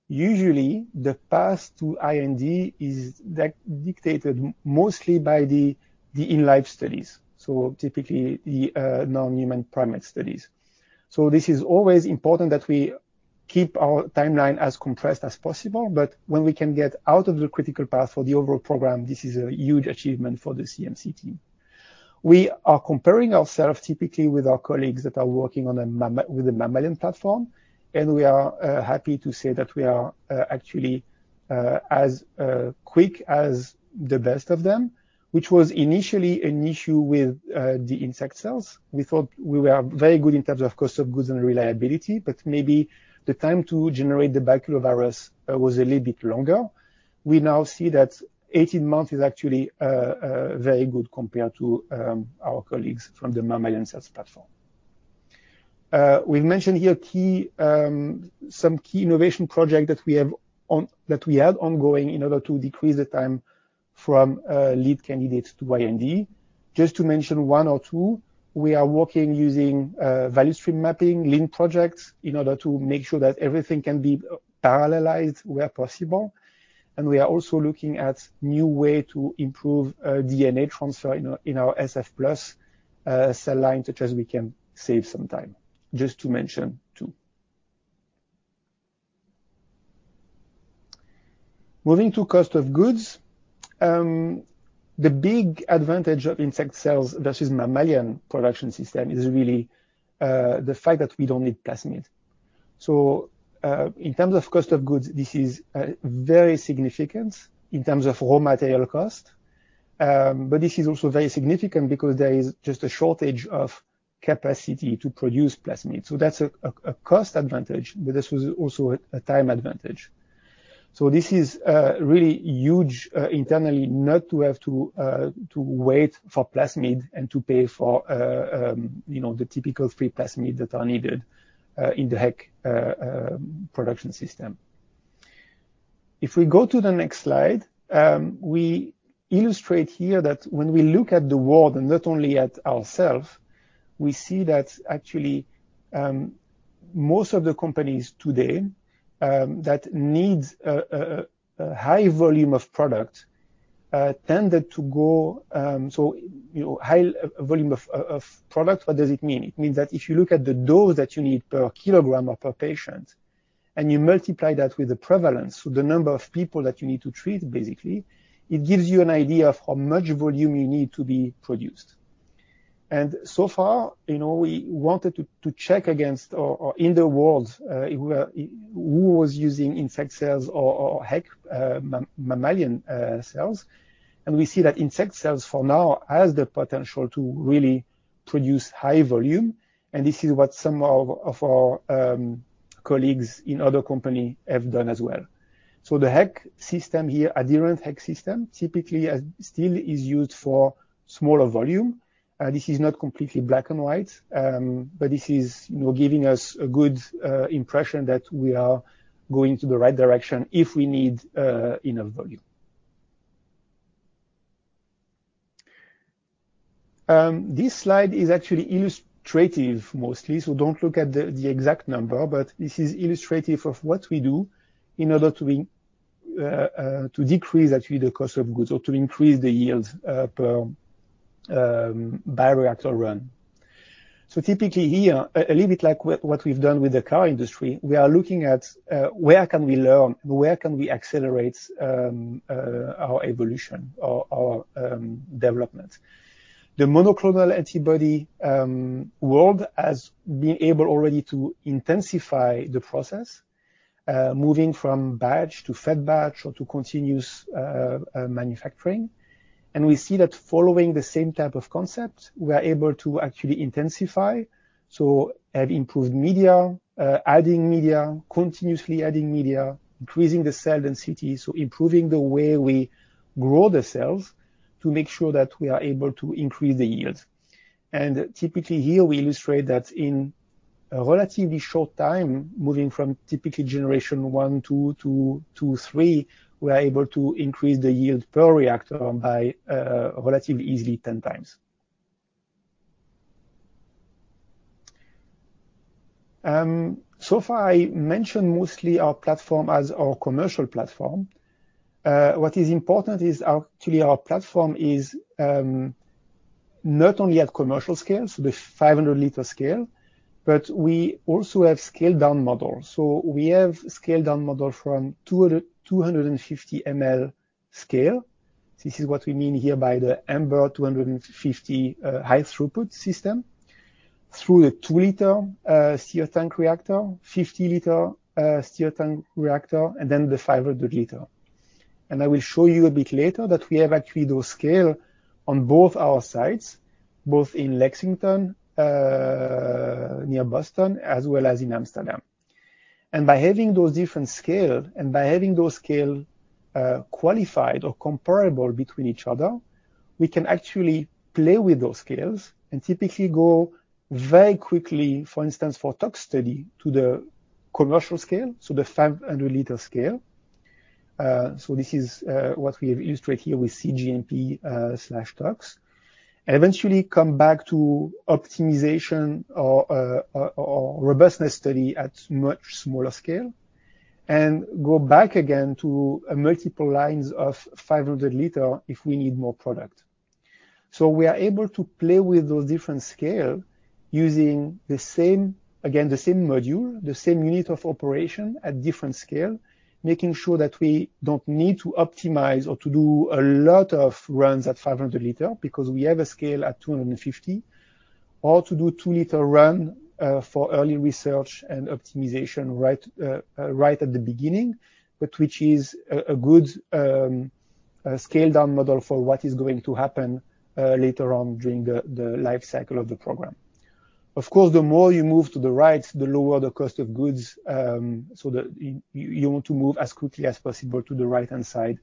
usually the path to IND is that dictated mostly by the in vivo studies. Typically the non-human primate studies. This is always important that we keep our timeline as compressed as possible, but when we can get out of the critical path for the overall program, this is a huge achievement for the CMC team. We are comparing ourselves typically with our colleagues that are working on a mammalian platform, and we are happy to say that we are actually as quick as the best of them. Which was initially an issue with the insect cells. We thought we were very good in terms of cost of goods and reliability, but maybe the time to generate the baculovirus was a little bit longer. We now see that 18 months is actually very good compared to our colleagues from the mammalian cells platform. We've mentioned here key some key innovation project that we have ongoing in order to decrease the time from lead candidates to IND. Just to mention one or two, we are working using value stream mapping, lean projects in order to make sure that everything can be parallelized where possible. We are also looking at new way to improve DNA transfer in our SF+ cell line, such as we can save some time. Just to mention two. Moving to cost of goods. The big advantage of insect cells versus mammalian production system is really the fact that we don't need plasmids. In terms of cost of goods, this is very significant in terms of raw material cost. This is also very significant because there is just a shortage of capacity to produce plasmids. That's a cost advantage, but this was also a time advantage. This is really huge internally not to have to wait for plasmid and to pay for, you know, the typical three plasmids that are needed in the HEK production system If we go to the next slide, we illustrate here that when we look at the world and not only at ourselves, we see that actually, most of the companies today, that needs a high volume of product, tended to go. You know, high volume of product, what does it mean? It means that if you look at the dose that you need per kilogram of a patient, and you multiply that with the prevalence, so the number of people that you need to treat basically, it gives you an idea of how much volume you need to be produced. So far, you know, we wanted to check against or in the world, who was using insect cells or HEK mammalian cells. We see that insect cells for now has the potential to really produce high volume, and this is what some of our colleagues in other company have done as well. The HEK system here, adherent HEK system, typically still is used for smaller volume. This is not completely black and white, but this is, you know, giving us a good impression that we are going to the right direction if we need enough volume. This slide is actually illustrative mostly, so don't look at the exact number, but this is illustrative of what we do in order to decrease actually the cost of goods or to increase the yield per bioreactor run. Typically here, a little bit like what we've done with the car industry, we are looking at where can we learn, where can we accelerate our evolution or our development. The monoclonal antibody world has been able already to intensify the process, moving from batch to fed batch or to continuous manufacturing. We see that following the same type of concept, we are able to actually intensify, so have improved media, adding media, continuously adding media, increasing the cell density, so improving the way we grow the cells to make sure that we are able to increase the yield. Typically here, we illustrate that in a relatively short time, moving from typically generation one to two to three, we are able to increase the yield per reactor by relatively easily 10x. Far, I mentioned mostly our platform as our commercial platform. What is important is actually our platform is not only at commercial scale, so the 500 L scale, but we also have scaled-down models. We have scaled-down model from 250 mL scale. This is what we mean here by the Ambr 250 high throughput system, through the 2-L steel tank reactor, 50-L steel tank reactor, and then the 500 L. I will show you a bit later that we have actually those scale on both our sites, both in Lexington, near Boston, as well as in Amsterdam. By having those different scale, and by having those scale qualified or comparable between each other, we can actually play with those scales and typically go very quickly, for instance, for tox study to the commercial scale, so the 500 L scale. So this is what we have illustrated here with cGMP slash tox. Eventually come back to optimization or robustness study at much smaller scale and go back again to multiple lines of 500 L if we need more product. We are able to play with those different scale using the same, again, the same module, the same unit of operation at different scale, making sure that we don't need to optimize or to do a lot of runs at 500 L because we have a scale at 250 or to do 2-L run for early research and optimization right at the beginning, but which is a good scaled-down model for what is going to happen later on during the life cycle of the program. Of course, the more you move to the right, the lower the cost of goods, so that you want to move as quickly as possible to the right-hand side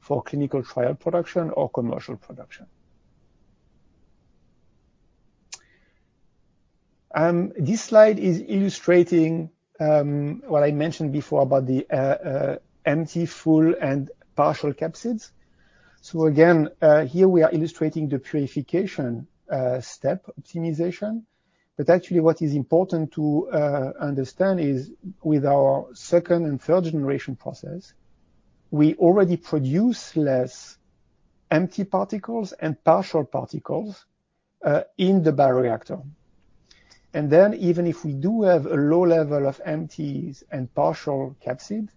for clinical trial production or commercial production. This slide is illustrating what I mentioned before about the empty, full, and partial capsids. Again, here we are illustrating the purification step optimization. Actually what is important to understand is with our second and third generation process, we already produce less empty particles and partial particles in the bioreactor. Even if we do have a low level of empties and partial capsid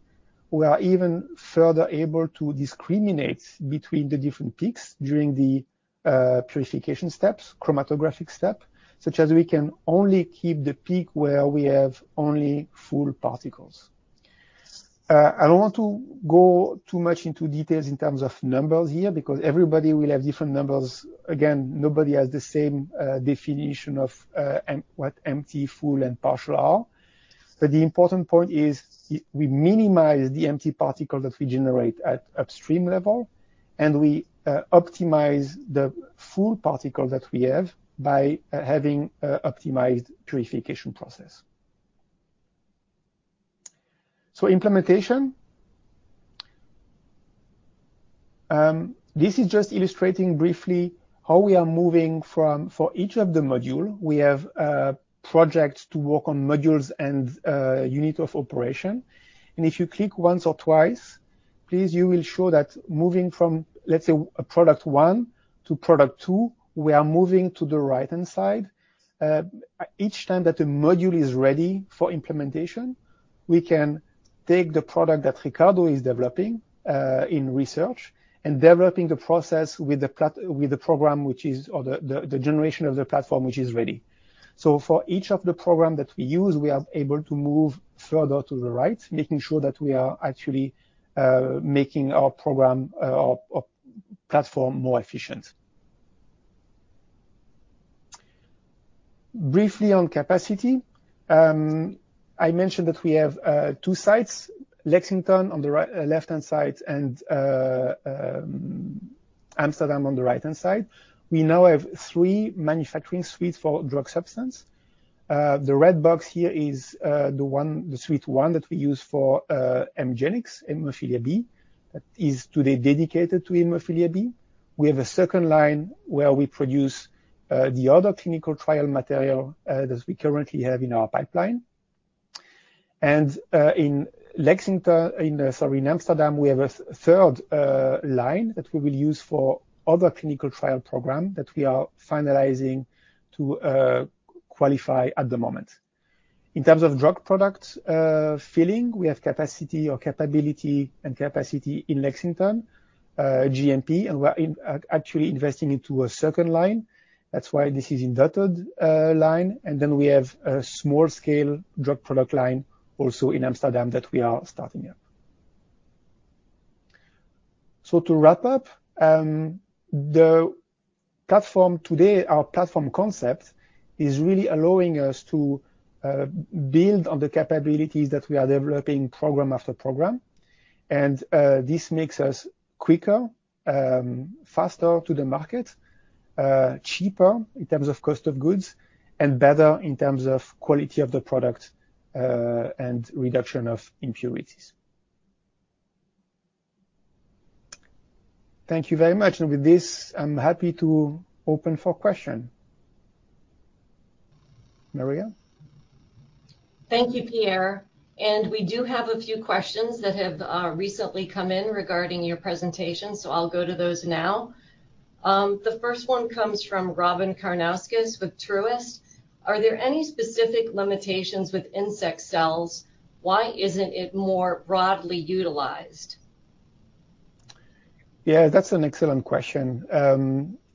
we are even further able to discriminate between the different peaks during the purification steps, chromatographic step. Such as we can only keep the peak where we have only full particles. I don't want to go too much into details in terms of numbers here because everybody will have different numbers. Again, nobody has the same definition of what empty, full and partial are. The important point is we minimize the empty particle that we generate at upstream level, and we optimize the full particle that we have by having a optimized purification process. Implementation. This is just illustrating briefly how we are moving from, for each of the module, we have projects to work on modules and unit of operation. If you click once or twice, please, you will show that moving from, let's say, product one to product two, we are moving to the right-hand side. Each time that the module is ready for implementation, we can take the product that Ricardo is developing in research and developing the process with the program which is, or the generation of the platform which is ready. For each of the program that we use, we are able to move further to the right, making sure that we are actually making our program or platform more efficient. Briefly on capacity, I mentioned that we have two sites, Lexington on the left-hand side and Amsterdam on the right-hand side. We now have three manufacturing suites for drug substance. The red box here is the suite one that we use for HEMGENIX, hemophilia B, that is today dedicated to hemophilia B. We have a second line where we produce the other clinical trial material that we currently have in our pipeline. In Lexington, in Amsterdam, we have a third line that we will use for other clinical trial program that we are finalizing to qualify at the moment. In terms of drug product filling, we have capacity or capability and capacity in Lexington, GMP, and we're actually investing into a second line. That's why this is in dotted line. We have a small-scale drug product line also in Amsterdam that we are starting up. To wrap up, the platform today, our platform concept, is really allowing us to build on the capabilities that we are developing program after program. This makes us quicker, faster to the market, cheaper in terms of cost of goods, and better in terms of quality of the product and reduction of impurities. Thank you very much, and with this, I'm happy to open for question. Maria? Thank you, Pierre. We do have a few questions that have recently come in regarding your presentation, so I'll go to those now. The first one comes from Robyn Karnauskas with Truist. Are there any specific limitations with insect cells? Why isn't it more broadly utilized? That's an excellent question.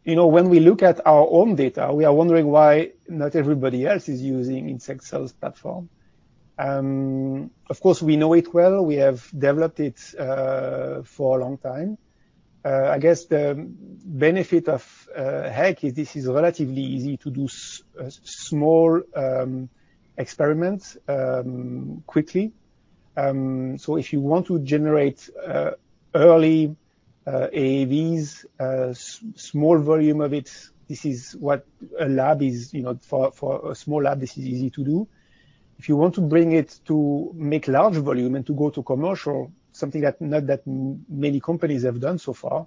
You know, when we look at our own data, we are wondering why not everybody else is using insect-cell platform. Of course, we know it well. We have developed it for a long time. I guess the benefit of HEK is this is relatively easy to do small experiments quickly. If you want to generate early AAVs, small volume of it, this is what a lab is, you know, for a small lab, this is easy to do. If you want to bring it to make large volume and to go to commercial, something that not that many companies have done so far,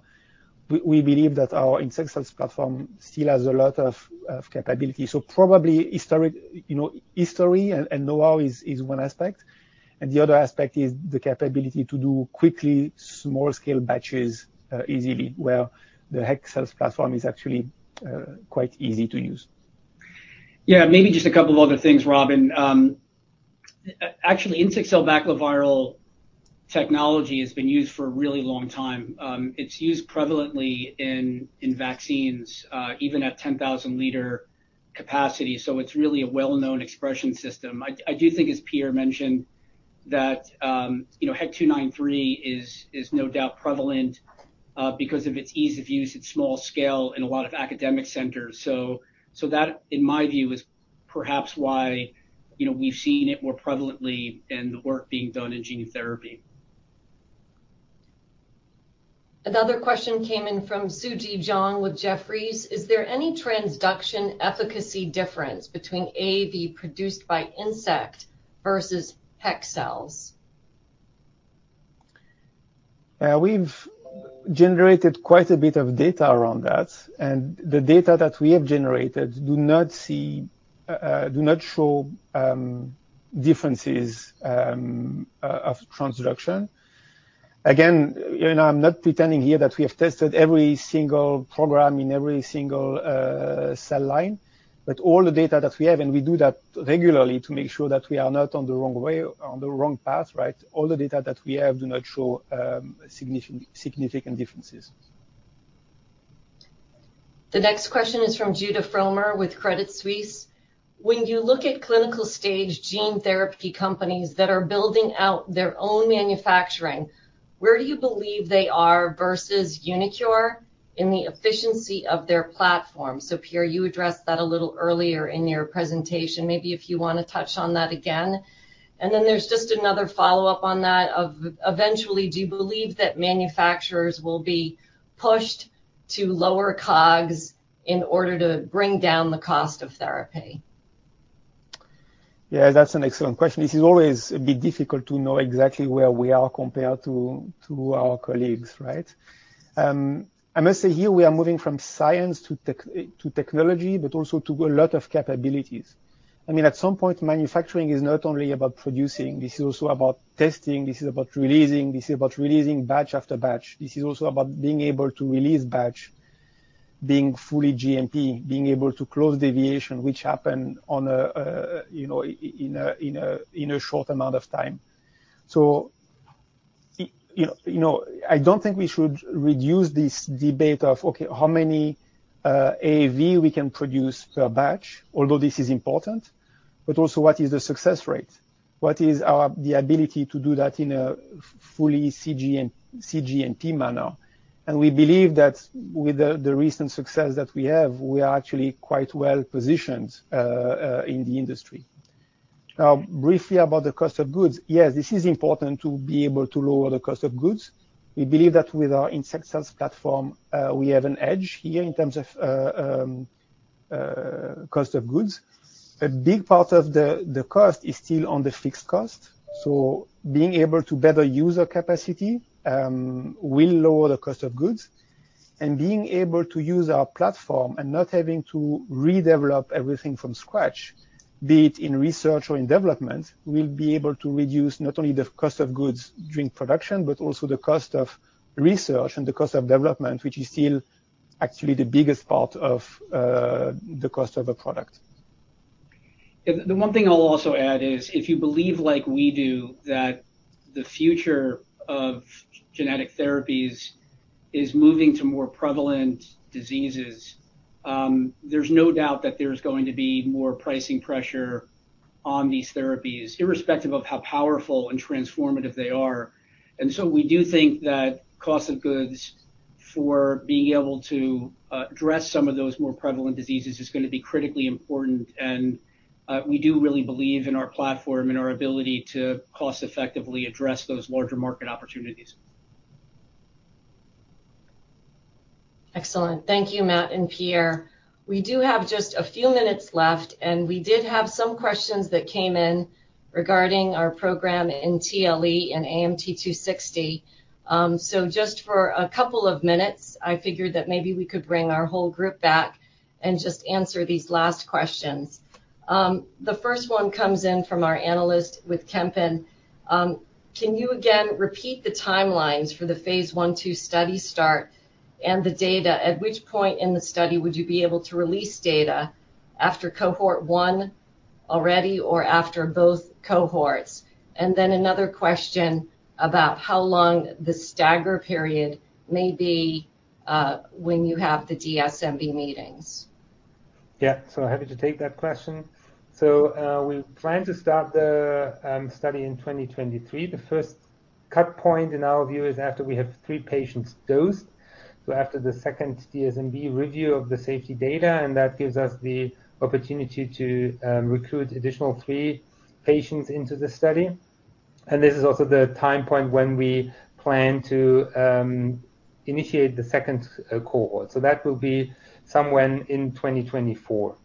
we believe that our insect-cell platform still has a lot of capability. Probably historic, you know, history and know-how is one aspect, and the other aspect is the capability to do quickly small-scale batches, easily where the HEK cells platform is actually quite easy to use. Maybe just a couple other things, Robyn. Actually, insect-cell baculoviral technology has been used for a really long time. It's used prevalently in vaccines, even at 10,000 L capacity, so it's really a well-known expression system. I do think, as Pierre mentioned, that, you know, HEK293 is no doubt prevalent, because of its ease of use, its small scale in a lot of academic centers. That, in my view, is perhaps why, you know, we've seen it more prevalently in the work being done in gene therapy. Another question came in from Suji Jeong with Jefferies. Is there any transduction efficacy difference between AAV produced by insect versus HEK cells? We've generated quite a bit of data around that. The data that we have generated do not show differences of transduction. Again, you know, I'm not pretending here that we have tested every single program in every single cell line. All the data that we have, and we do that regularly to make sure that we are not on the wrong way, on the wrong path, right. All the data that we have do not show significant differences. The next question is from Judah Frommer with Credit Suisse. When you look at clinical-stage gene therapy companies that are building out their own manufacturing, where do you believe they are versus uniQure in the efficiency of their platform? Pierre, you addressed that a little earlier in your presentation. Maybe if you wanna touch on that again. There's just another follow-up on that of eventually, do you believe that manufacturers will be pushed to lower COGS in order to bring down the cost of therapy? Yeah, that's an excellent question. This is always a bit difficult to know exactly where we are compared to our colleagues, right? I must say here we are moving from science to technology, but also to a lot of capabilities. I mean, at some point, manufacturing is not only about producing, this is also about testing, this is about releasing, this is about releasing batch after batch. This is also about being able to release batch, being fully GMP, being able to close deviation, which happened on a, you know, in a short amount of time. You know, you know, I don't think we should reduce this debate of, okay, how many AAV we can produce per batch, although this is important, but also what is the success rate? What is the ability to do that in a fully cGMP manner. We believe that with the recent success that we have, we are actually quite well positioned in the industry. Briefly about the cost of goods. Yes, this is important to be able to lower the cost of goods. We believe that with our insect-cell platform, we have an edge here in terms of cost of goods. A big part of the cost is still on the fixed cost. Being able to better use our capacity will lower the cost of goods. Being able to use our platform and not having to redevelop everything from scratch, be it in research or in development, we'll be able to reduce not only the cost of goods during production, but also the cost of research and the cost of development, which is still actually the biggest part of the cost of a product. The one thing I'll also add is, if you believe like we do that the future of genetic therapies is moving to more prevalent diseases, there's no doubt that there's going to be more pricing pressure on these therapies, irrespective of how powerful and transformative they are. We do think that cost of goods for being able to address some of those more prevalent diseases is gonna be critically important. We do really believe in our platform and our ability to cost-effectively address those larger market opportunities. Excellent. Thank you, Matt and Pierre. We do have just a few minutes left, and we did have some questions that came in regarding our program in TLE and AMT-260. Just for two minutes, I figured that maybe we could bring our whole group back and just answer these last questions. The first one comes in from our analyst with Kempen. Can you again repeat the timelines for the phase I/II study start and the data? At which point in the study would you be able to release data after cohort 1 already or after both cohorts? Another question about how long the stagger period may be when you have the DSMB meetings. Yeah. Happy to take that question. We plan to start the study in 2023. The first cut point in our view is after we have three patients dosed. After the 2nd DSMB review of the safety data, and that gives us the opportunity to recruit additional three patients into the study. This is also the time point when we plan to initiate the 2nd cohort. That will be somewhere in 2024.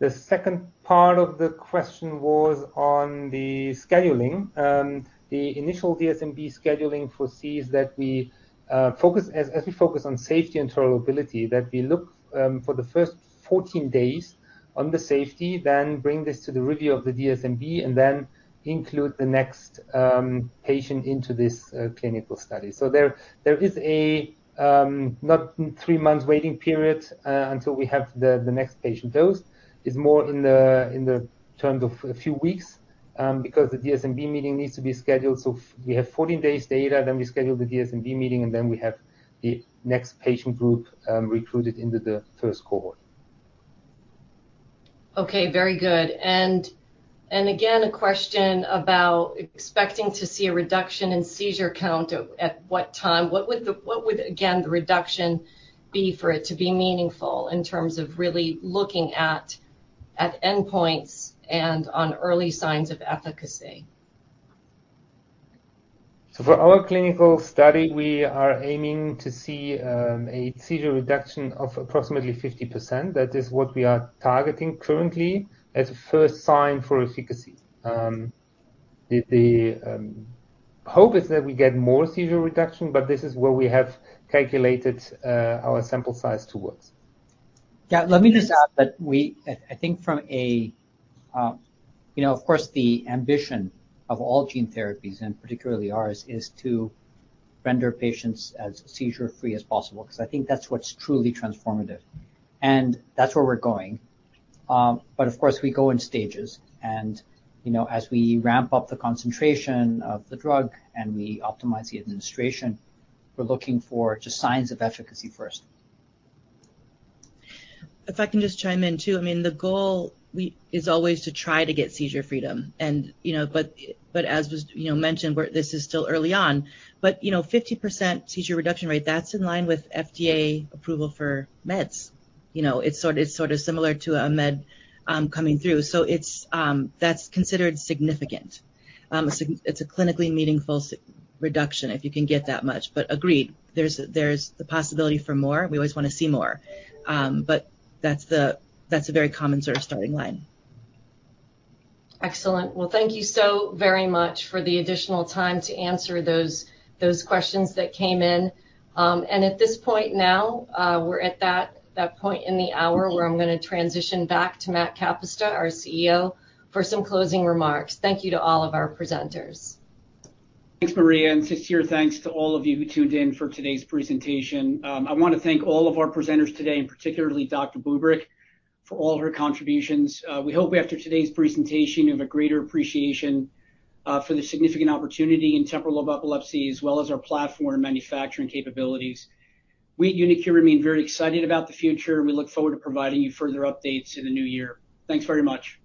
The second part of the question was on the scheduling. The initial DSMB scheduling foresees that we focus as we focus on safety and tolerability, that we look for the first 14 days on the safety, then bring this to the review of the DSMB, and then include the next patient into this clinical study. There is a not three months waiting period until we have the next patient dosed. It's more in the terms of a few weeks because the DSMB meeting needs to be scheduled. We have 14 days data, then we schedule the DSMB meeting, and then we have the next patient group recruited into the first cohort. Okay, very good. Again, a question about expecting to see a reduction in seizure count at what time. What would, again, the reduction be for it to be meaningful in terms of really looking at endpoints and on early signs of efficacy? For our clinical study, we are aiming to see a seizure reduction of approximately 50%. That is what we are targeting currently as a first sign for efficacy. The hope is that we get more seizure reduction, but this is where we have calculated our sample size towards. Yeah, let me just add that I think from a, you know, of course, the ambition of all gene therapies, and particularly ours, is to render patients as seizure-free as possible, because I think that's what's truly transformative, and that's where we're going. Of course, we go in stages and, you know, as we ramp up the concentration of the drug and we optimize the administration, we're looking for just signs of efficacy first. If I can just chime in too. I mean, the goal is always to try to get seizure freedom and, you know, but as was, you know, mentioned, this is still early on, but, you know, 50% seizure reduction rate, that's in line with FDA approval for meds. You know, it's sort of similar to a med coming through. That's considered significant. It's a clinically meaningful reduction if you can get that much. Agreed, there's the possibility for more. We always wanna see more. That's a very common sort of starting line. Excellent. Well, thank you so very much for the additional time to answer those questions that came in. At this point now, we're at that point in the hour where I'm gonna transition back to Matt Kapusta, our CEO, for some closing remarks. Thank you to all of our presenters. Thanks, Maria, and sincere thanks to all of you who tuned in for today's presentation. I wanna thank all of our presenters today, and particularly Dr. Bubrick, for all of her contributions. We hope after today's presentation, you have a greater appreciation, for the significant opportunity in temporal lobe epilepsy, as well as our platform and manufacturing capabilities. We at uniQure remain very excited about the future. We look forward to providing you further updates in the new year. Thanks very much.